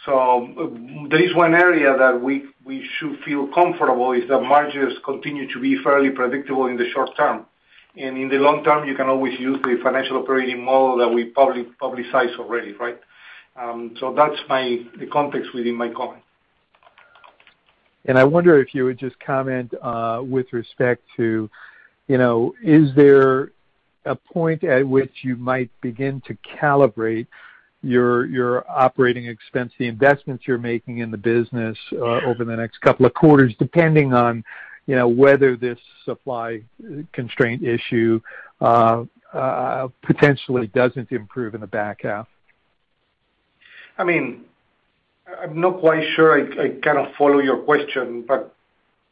IQ8D. There is one area that we should feel comfortable is that margins continue to be fairly predictable in the short term. In the long term, you can always use the financial operating model that we publicized already, right? That's the context within my comment. I wonder if you would just comment, with respect to, is there a point at which you might begin to calibrate your operating expense, the investments you're making in the business over the next couple of quarters, depending on whether this supply constraint issue, potentially doesn't improve in the back half? I'm not quite sure. I kind of follow your question, but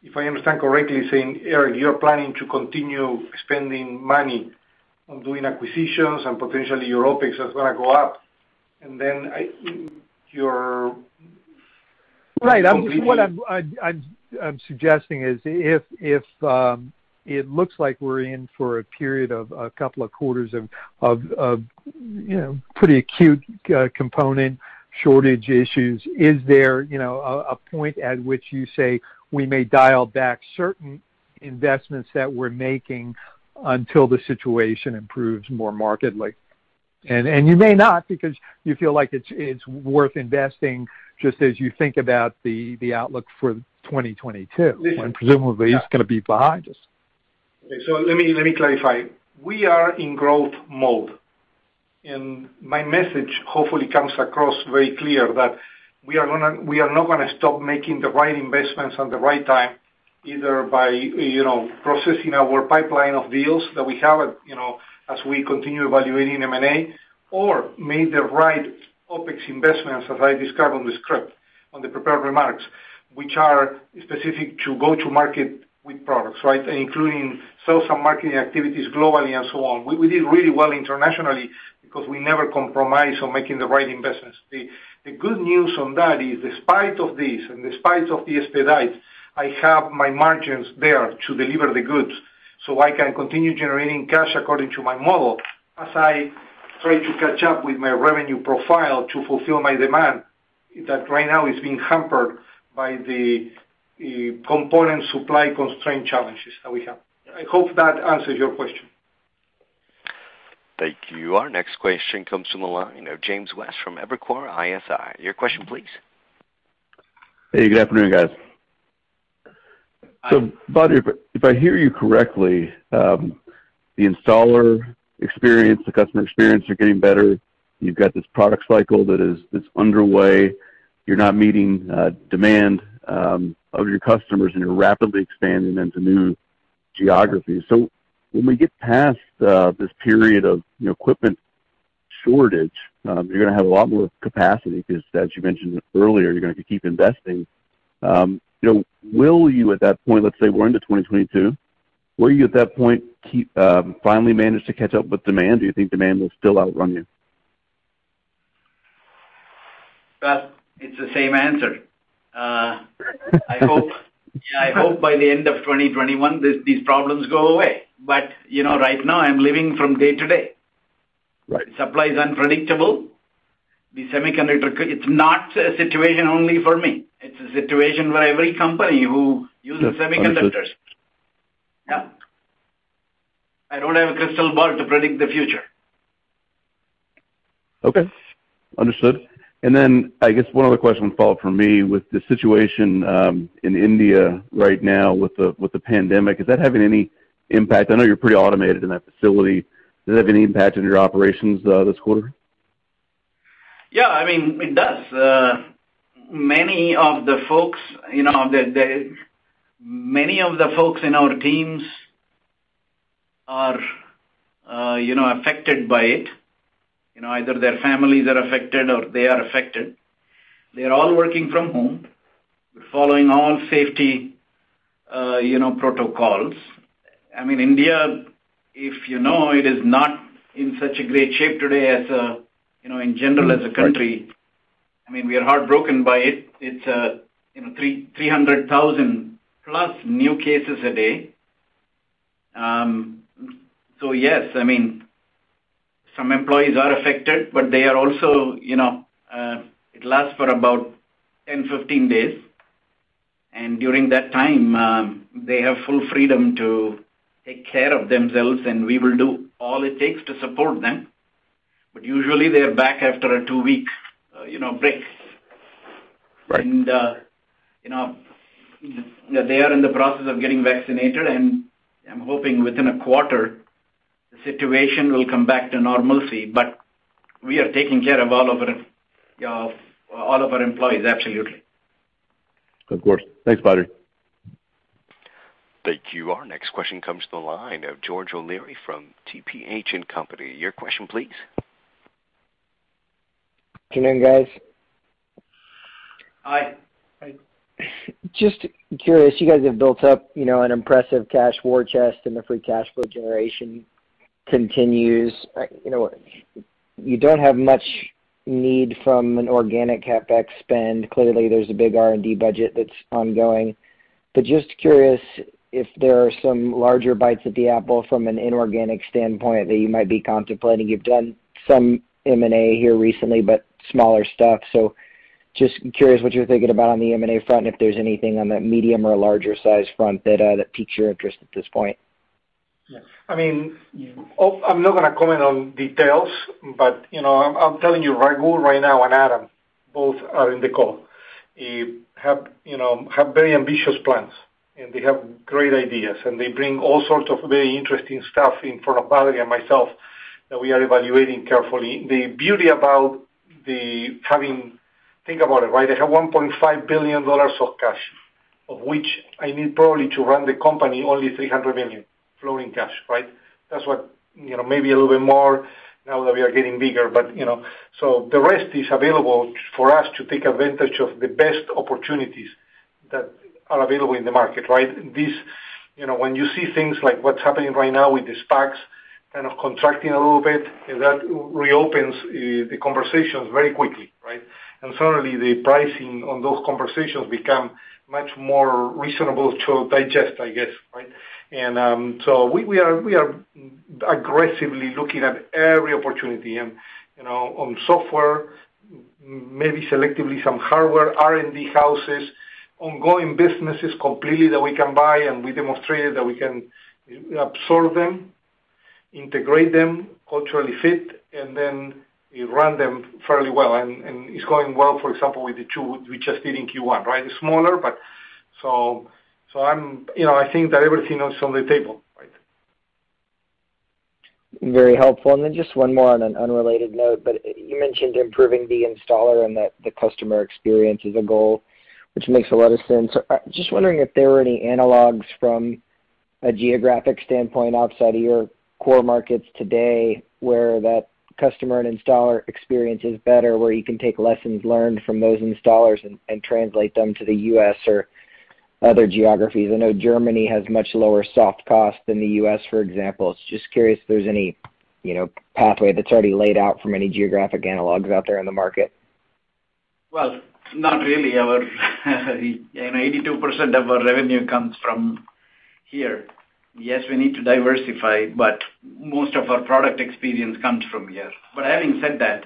if I understand correctly, saying, "Eric, you're planning to continue spending money on doing acquisitions and potentially your OpEx is going to go up. Right. What I'm suggesting is, if it looks like we're in for a period of a couple of quarters of pretty acute component shortage issues, is there a point at which you say, "We may dial back certain investments that we're making until the situation improves more markedly"? You may not, because you feel like it's worth investing just as you think about the outlook for 2022, when presumably it's going to be behind us. Okay. Let me clarify. We are in growth mode, and my message hopefully comes across very clear that we are not going to stop making the right investments at the right time, either by processing our pipeline of deals that we have as we continue evaluating M&A, or make the right OpEx investments, as I described on the script, on the prepared remarks, which are specific to go to market with products, right? Including sales and marketing activities globally and so on. We did really well internationally because we never compromised on making the right investments. The good news on that is despite of this and despite of the expedite, I have my margins there to deliver the goods so I can continue generating cash according to my model as I try to catch up with my revenue profile to fulfill my demand that right now is being hampered by the component supply constraint challenges that we have. I hope that answers your question. Thank you. Our next question comes from the line of James West from Evercore ISI. Your question, please. Hey, good afternoon, guys. Hi. Badri, if I hear you correctly, the installer experience, the customer experience are getting better. You've got this product cycle that is underway. You're not meeting demand of your customers, and you're rapidly expanding into new geographies. When we get past this period of equipment shortage, you're going to have a lot more capacity because, as you mentioned earlier, you're going to keep investing. Will you at that point, let's say we're into 2022, will you at that point finally manage to catch up with demand? Do you think demand will still outrun you? Well, it's the same answer. I hope by the end of 2021, these problems go away. Right now, I'm living from day to day. Right. Supply is unpredictable. The semiconductor, it's not a situation only for me. It's a situation for every company who use the semiconductors. Understood. Yeah. I don't have a crystal ball to predict the future. Okay. Understood. I guess one other question follow up from me with the situation, in India right now with the pandemic, is that having any impact? I know you're pretty automated in that facility. Does it have any impact on your operations this quarter? Yeah, it does. Many of the folks in our teams are affected by it. Either their families are affected or they are affected. They're all working from home. We're following all safety protocols. India, if you know, it is not in such a great shape today in general as a country. Right. We are heartbroken by it. It's 300,000 plus new cases a day. Yes, some employees are affected, but it lasts for about 10-15 days. During that time, they have full freedom to take care of themselves, and we will do all it takes to support them. Usually, they are back after a two-week break. Right. They are in the process of getting vaccinated, and I'm hoping within a quarter, the situation will come back to normalcy. We are taking care of all of our employees, absolutely. Of course. Thanks, Badri. Thank you. Our next question comes to the line of George O'Leary from TPH & Company. Your question, please. Good afternoon, guys. Hi. Hi. Just curious, you guys have built up an impressive cash war chest, and the free cash flow generation continues. You don't have much need from an organic CapEx spend. Clearly, there's a big R&D budget that's ongoing. Just curious if there are some larger bites at the apple from an inorganic standpoint that you might be contemplating. You've done some M&A here recently, but smaller stuff. Just curious what you're thinking about on the M&A front, if there's anything on that medium or larger size front that piques your interest at this point. Yeah. I'm not going to comment on details, but I'm telling you, Raghu right now and Adam both are in the call. Have very ambitious plans, and they have great ideas, and they bring all sorts of very interesting stuff in front of Badri and myself that we are evaluating carefully. The beauty about Think about it. They have $1.5 billion of cash, of which I need probably to run the company only $300 million flowing cash, right? Maybe a little bit more now that we are getting bigger. The rest is available for us to take advantage of the best opportunities that are available in the market, right? When you see things like what's happening right now with the SPACs kind of contracting a little bit, that reopens the conversations very quickly, right? suddenly, the pricing on those conversations become much more reasonable to digest, I guess. we are aggressively looking at every opportunity on software, maybe selectively some hardware, R&D houses, ongoing businesses completely that we can buy, and we demonstrated that we can absorb them, integrate them, culturally fit, and then run them fairly well. it's going well, for example, with the two we just did in Q1. It's smaller. I think that everything else is on the table. Very helpful. Just one more on an unrelated note, but you mentioned improving the installer and that the customer experience is a goal which makes a lot of sense. Just wondering if there were any analogs from a geographic standpoint outside of your core markets today where that customer and installer experience is better, where you can take lessons learned from those installers and translate them to the U.S. or other geographies. I know Germany has much lower soft costs than the U.S., for example. Just curious if there's any pathway that's already laid out from any geographic analogs out there in the market. Well, not really. 82% of our revenue comes from here. Yes, we need to diversify, but most of our product experience comes from here. Having said that,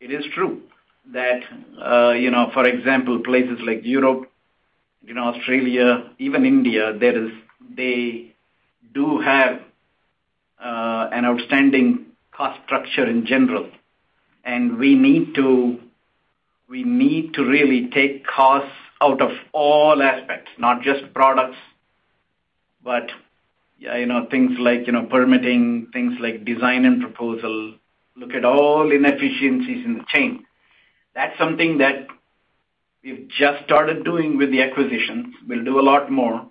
it is true that, for example, places like Europe, Australia, even India, they do have an outstanding cost structure in general. We need to really take costs out of all aspects, not just products, but things like permitting, things like design and proposal. Look at all inefficiencies in the chain. That's something that we've just started doing with the acquisitions. We'll do a lot more.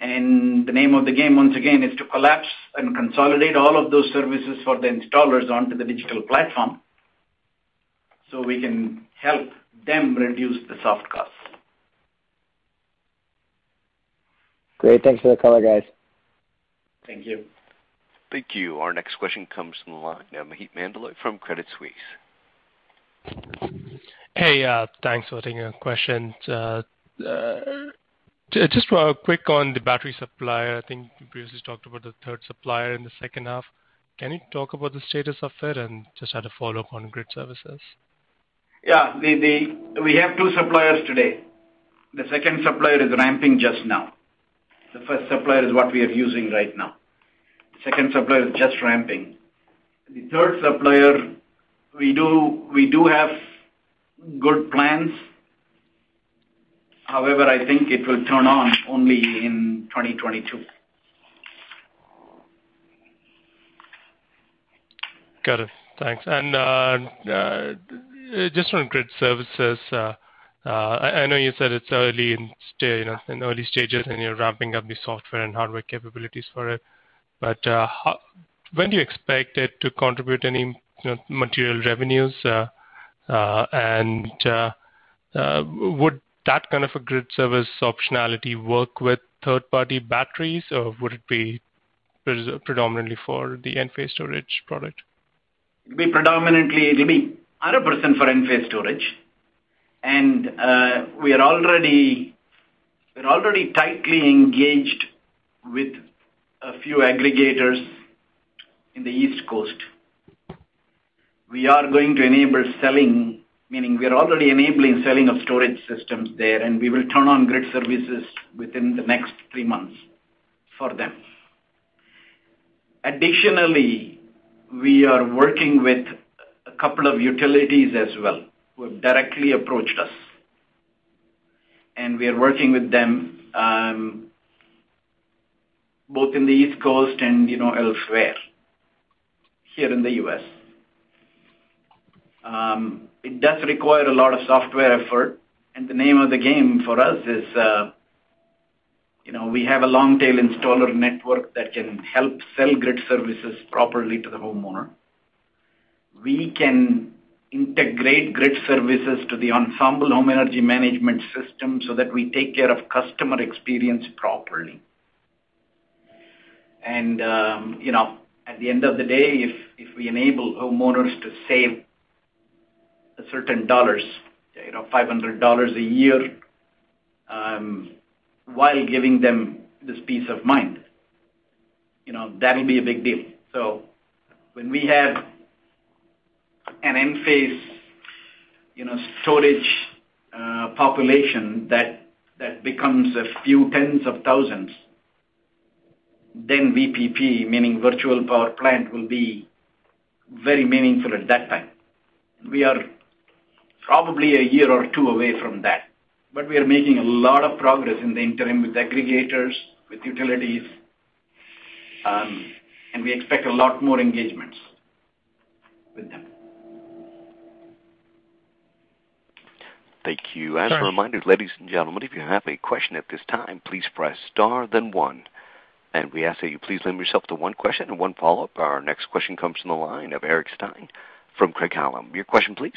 The name of the game, once again, is to collapse and consolidate all of those services for the installers onto the digital platform so we can help them reduce the soft costs. Great. Thanks for the color, guys. Thank you. Thank you. Our next question comes from the line now, Maheep Mandloi from Credit Suisse. Hey. Thanks for taking our questions. Just real quick on the battery supplier, I think you previously talked about the third supplier in the second half. Can you talk about the status of it? Just had a follow-up on grid services. Yeah. We have two suppliers today. The second supplier is ramping just now. The first supplier is what we are using right now. Second supplier is just ramping. The third supplier, we do have good plans. However, I think it will turn on only in 2022. Got it. Thanks. Just on grid services, I know you said it's early and still in early stages, and you're ramping up the software and hardware capabilities for it. When do you expect it to contribute any material revenues? Would that kind of a grid service optionality work with third-party batteries, or would it be predominantly for the Enphase storage product? It'd be predominantly, it'll be 100% for Enphase storage. We are already tightly engaged with a few aggregators in the East Coast. We are going to enable selling, meaning we are already enabling selling of storage systems there, and we will turn on grid services within the next three months for them. Additionally, we are working with a couple of utilities as well, who have directly approached us. We are working with them both in the East Coast and elsewhere here in the U.S. It does require a lot of software effort, and the name of the game for us is. We have a long-tail installer network that can help sell grid services properly to the homeowner. We can integrate grid services to the Ensemble Home Energy Management system so that we take care of customer experience properly. At the end of the day, if we enable homeowners to save a certain dollars, $500 a year, while giving them this peace of mind, that'll be a big deal. When we have an Enphase storage population that becomes a few tens of thousands, then VPP, meaning virtual power plant, will be very meaningful at that time. We are probably a year or two away from that. We are making a lot of progress in the interim with aggregators, with utilities, and we expect a lot more engagements with them. Thank you. Sure. As a reminder, ladies and gentlemen, if you have a question at this time, please press star then one, and we ask that you please limit yourself to one question and one follow-up. Our next question comes from the line of Eric Stine from Craig-Hallum. Your question, please.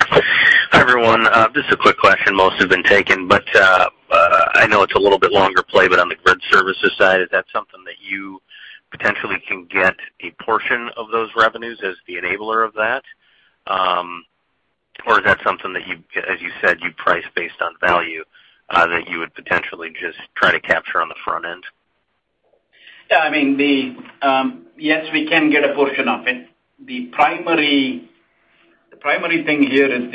Hi, everyone. Just a quick question. Most have been taken. I know it's a little bit longer play, but on the grid services side, is that something that you potentially can get a portion of those revenues as the enabler of that? Is that something that you, as you said, you price based on value, that you would potentially just try to capture on the front end? Yes, we can get a portion of it. The primary thing here is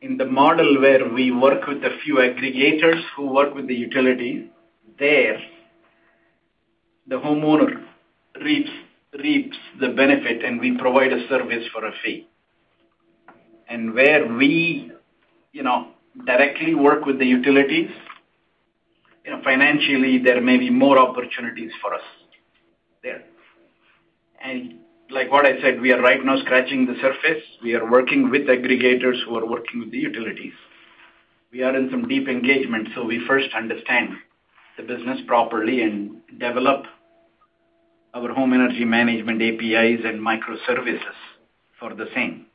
in the model where we work with a few aggregators who work with the utilities. There, the homeowner reaps the benefit, and we provide a service for a fee. Where we directly work with the utilities, financially, there may be more opportunities for us there. Like what I said, we are right now scratching the surface. We are working with aggregators who are working with the utilities. We are in some deep engagement. We first understand the business properly and develop our home energy management APIs and microservices for the same.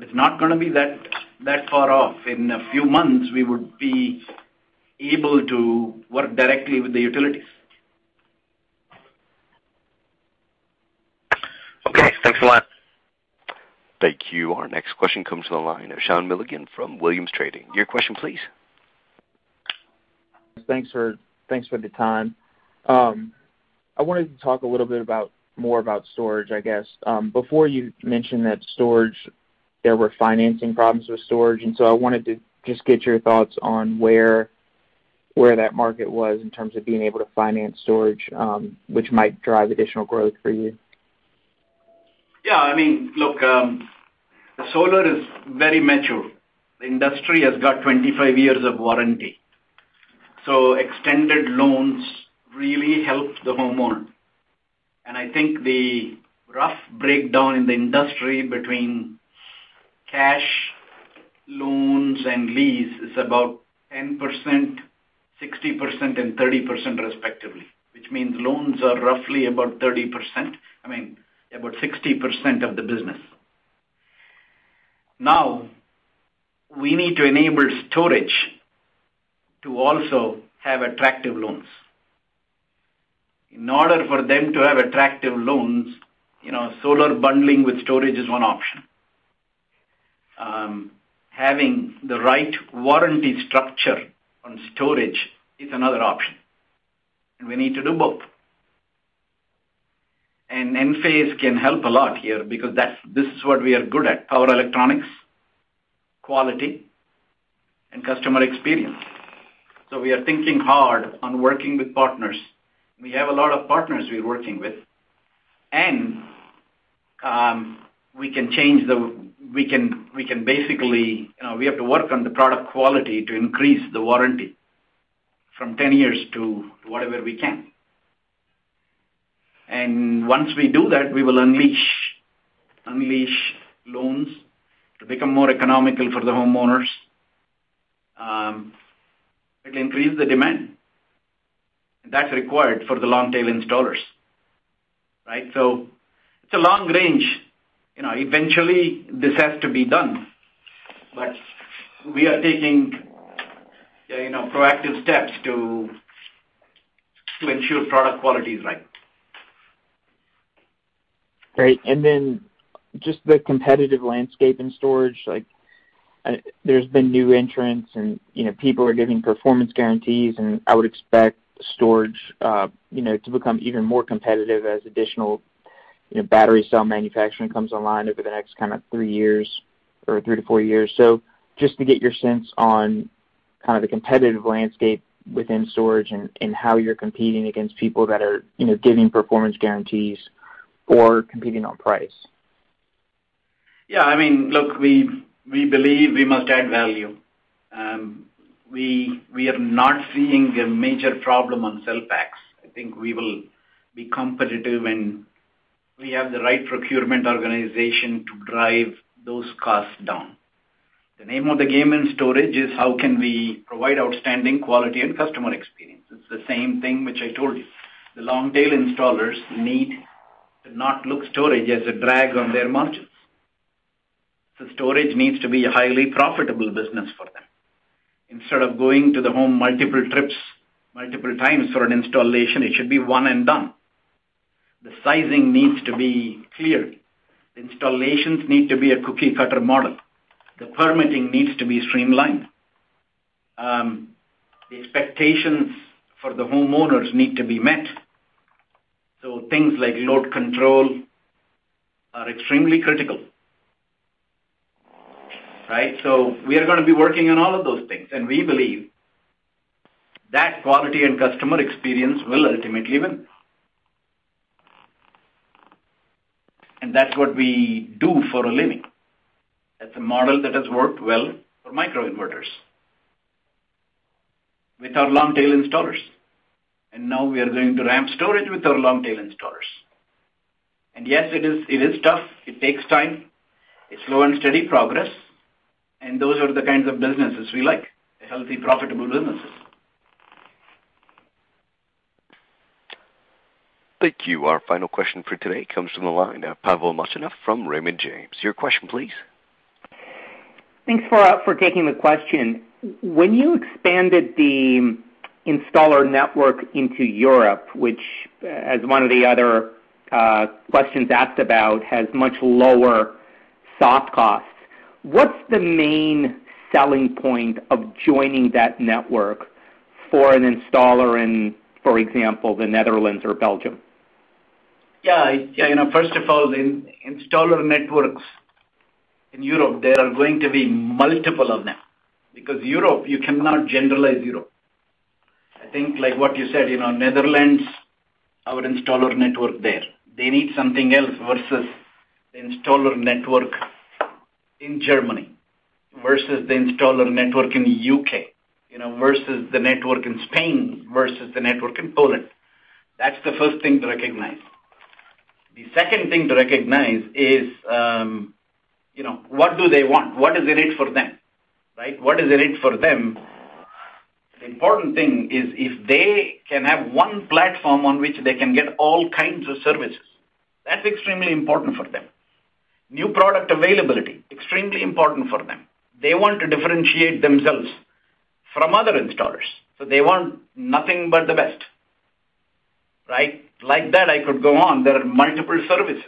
It's not going to be that far off. In a few months, we would be able to work directly with the utilities. Okay, thanks a lot. Thank you. Our next question comes from the line of Sean Milligan from Williams Trading. Your question please. Thanks for the time. I wanted to talk a little bit more about storage, I guess. Before, you mentioned that there were financing problems with storage, and so I wanted to just get your thoughts on where that market was in terms of being able to finance storage, which might drive additional growth for you. Yeah. Look, solar is very mature. The industry has got 25 years of warranty. Extended loans really help the homeowner. I think the rough breakdown in the industry between cash, loans, and lease is about 10%, 60% and 30% respectively, which means loans are roughly about 60% of the business. Now, we need to enable storage to also have attractive loans. In order for them to have attractive loans, solar bundling with storage is one option. Having the right warranty structure on storage is another option. We need to do both. Enphase can help a lot here because this is what we are good at, power electronics, quality, and customer experience. We are thinking hard on working with partners. We have a lot of partners we're working with. We have to work on the product quality to increase the warranty from 10 years to whatever we can. Once we do that, we will unleash loans to become more economical for the homeowners. It'll increase the demand. That's required for the long-tail installers, right? It's a long range. Eventually, this has to be done. We are taking proactive steps to ensure product quality is right. Great. Just the competitive landscape in storage. There's been new entrants and people are giving performance guarantees, and I would expect storage to become even more competitive as additional battery cell manufacturing comes online over the next kind of three to four years. Just to get your sense on kind of the competitive landscape within storage and how you're competing against people that are giving performance guarantees or competing on price. Yeah. Look, we believe we must add value. We are not seeing a major problem on cell packs. I think we will be competitive and we have the right procurement organization to drive those costs down. The name of the game in storage is how can we provide outstanding quality and customer experience? It's the same thing which I told you. The long-tail installers need to not look storage as a drag on their margins. Storage needs to be a highly profitable business for them. Instead of going to the home multiple trips, multiple times for an installation, it should be one and done. The sizing needs to be clear. The installations need to be a cookie-cutter model. The permitting needs to be streamlined. The expectations for the homeowners need to be met. Things like load control are extremely critical. We are going to be working on all of those things, and we believe that quality and customer experience will ultimately win. That's what we do for a living. That's a model that has worked well for microinverters with our long-tail installers. Now we are going to ramp storage with our long-tail installers. Yes, it is tough. It takes time. It's slow and steady progress. Those are the kinds of businesses we like, the healthy, profitable businesses. Thank you. Our final question for today comes from the line. Pavel Molchanov from Raymond James. Your question please. Thanks for taking the question. When you expanded the installer network into Europe, which, as one of the other questions asked about, has much lower soft costs, what's the main selling point of joining that network for an installer in, for example, the Netherlands or Belgium? Yeah. First of all, installer networks in Europe, there are going to be multiple of them because Europe, you cannot generalize Europe. I think like what you said, Netherlands, our installer network there. They need something else versus the installer network in Germany, versus the installer network in the U.K., versus the network in Spain, versus the network in Poland. That's the first thing to recognize. The second thing to recognize is, what do they want? What is in it for them, right? What is in it for them? The important thing is if they can have one platform on which they can get all kinds of services, that's extremely important for them. New product availability, extremely important for them. They want to differentiate themselves from other installers. They want nothing but the best. Right? Like that, I could go on. There are multiple services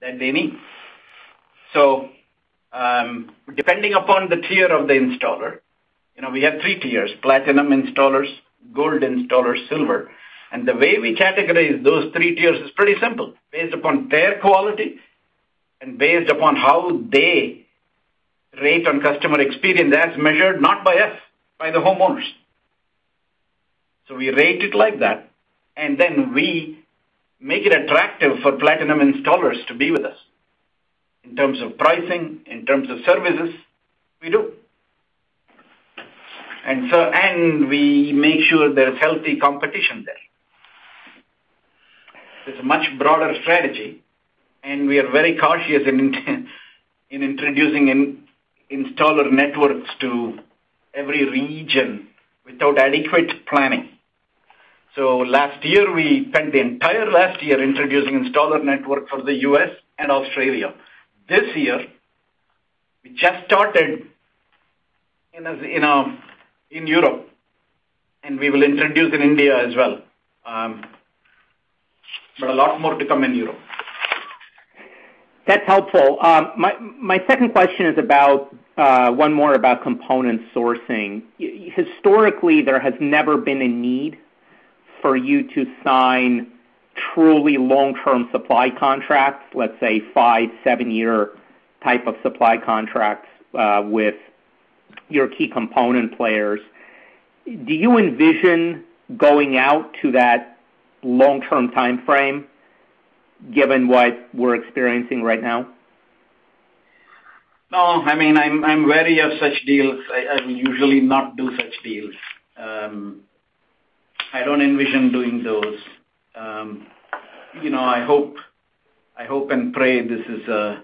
that they need. Depending upon the tier of the installer, we have three tiers: platinum installers, gold installers, silver. The way we categorize those three tiers is pretty simple. Based upon their quality and based upon how they rate on customer experience as measured, not by us, by the homeowners. We rate it like that, and then we make it attractive for platinum installers to be with us in terms of pricing, in terms of services. We do. We make sure there's healthy competition there. There's a much broader strategy, and we are very cautious in introducing installer networks to every region without adequate planning. Last year, we spent the entire last year introducing installer network for the U.S. and Australia. This year, we just started in Europe, and we will introduce in India as well. A lot more to come in Europe. That's helpful. My second question is one more about component sourcing. Historically, there has never been a need for you to sign truly long-term supply contracts, let's say, five, seven-year type of supply contracts, with your key component players. Do you envision going out to that long-term timeframe given what we're experiencing right now? No. I'm wary of such deals. I will usually not do such deals. I don't envision doing those. I hope and pray this will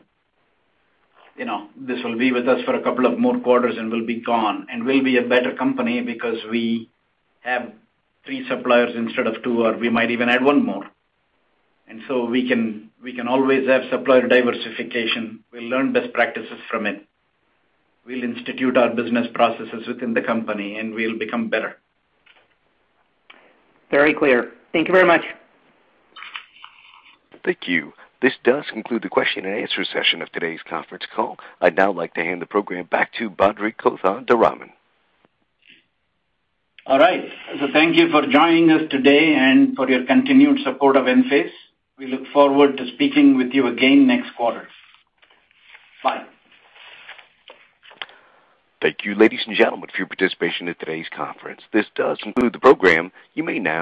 be with us for a couple of more quarters and will be gone. We'll be a better company because we have three suppliers instead of two, or we might even add one more. We can always have supplier diversification. We'll learn best practices from it. We'll institute our business processes within the company, and we'll become better. Very clear. Thank you very much. Thank you. This does conclude the question and answer session of today's conference call. I'd now like to hand the program back to Badri Kothandaraman. All right. Thank you for joining us today and for your continued support of Enphase. We look forward to speaking with you again next quarter. Bye. Thank you, ladies and gentlemen, for your participation in today's conference. This does conclude the program. You may now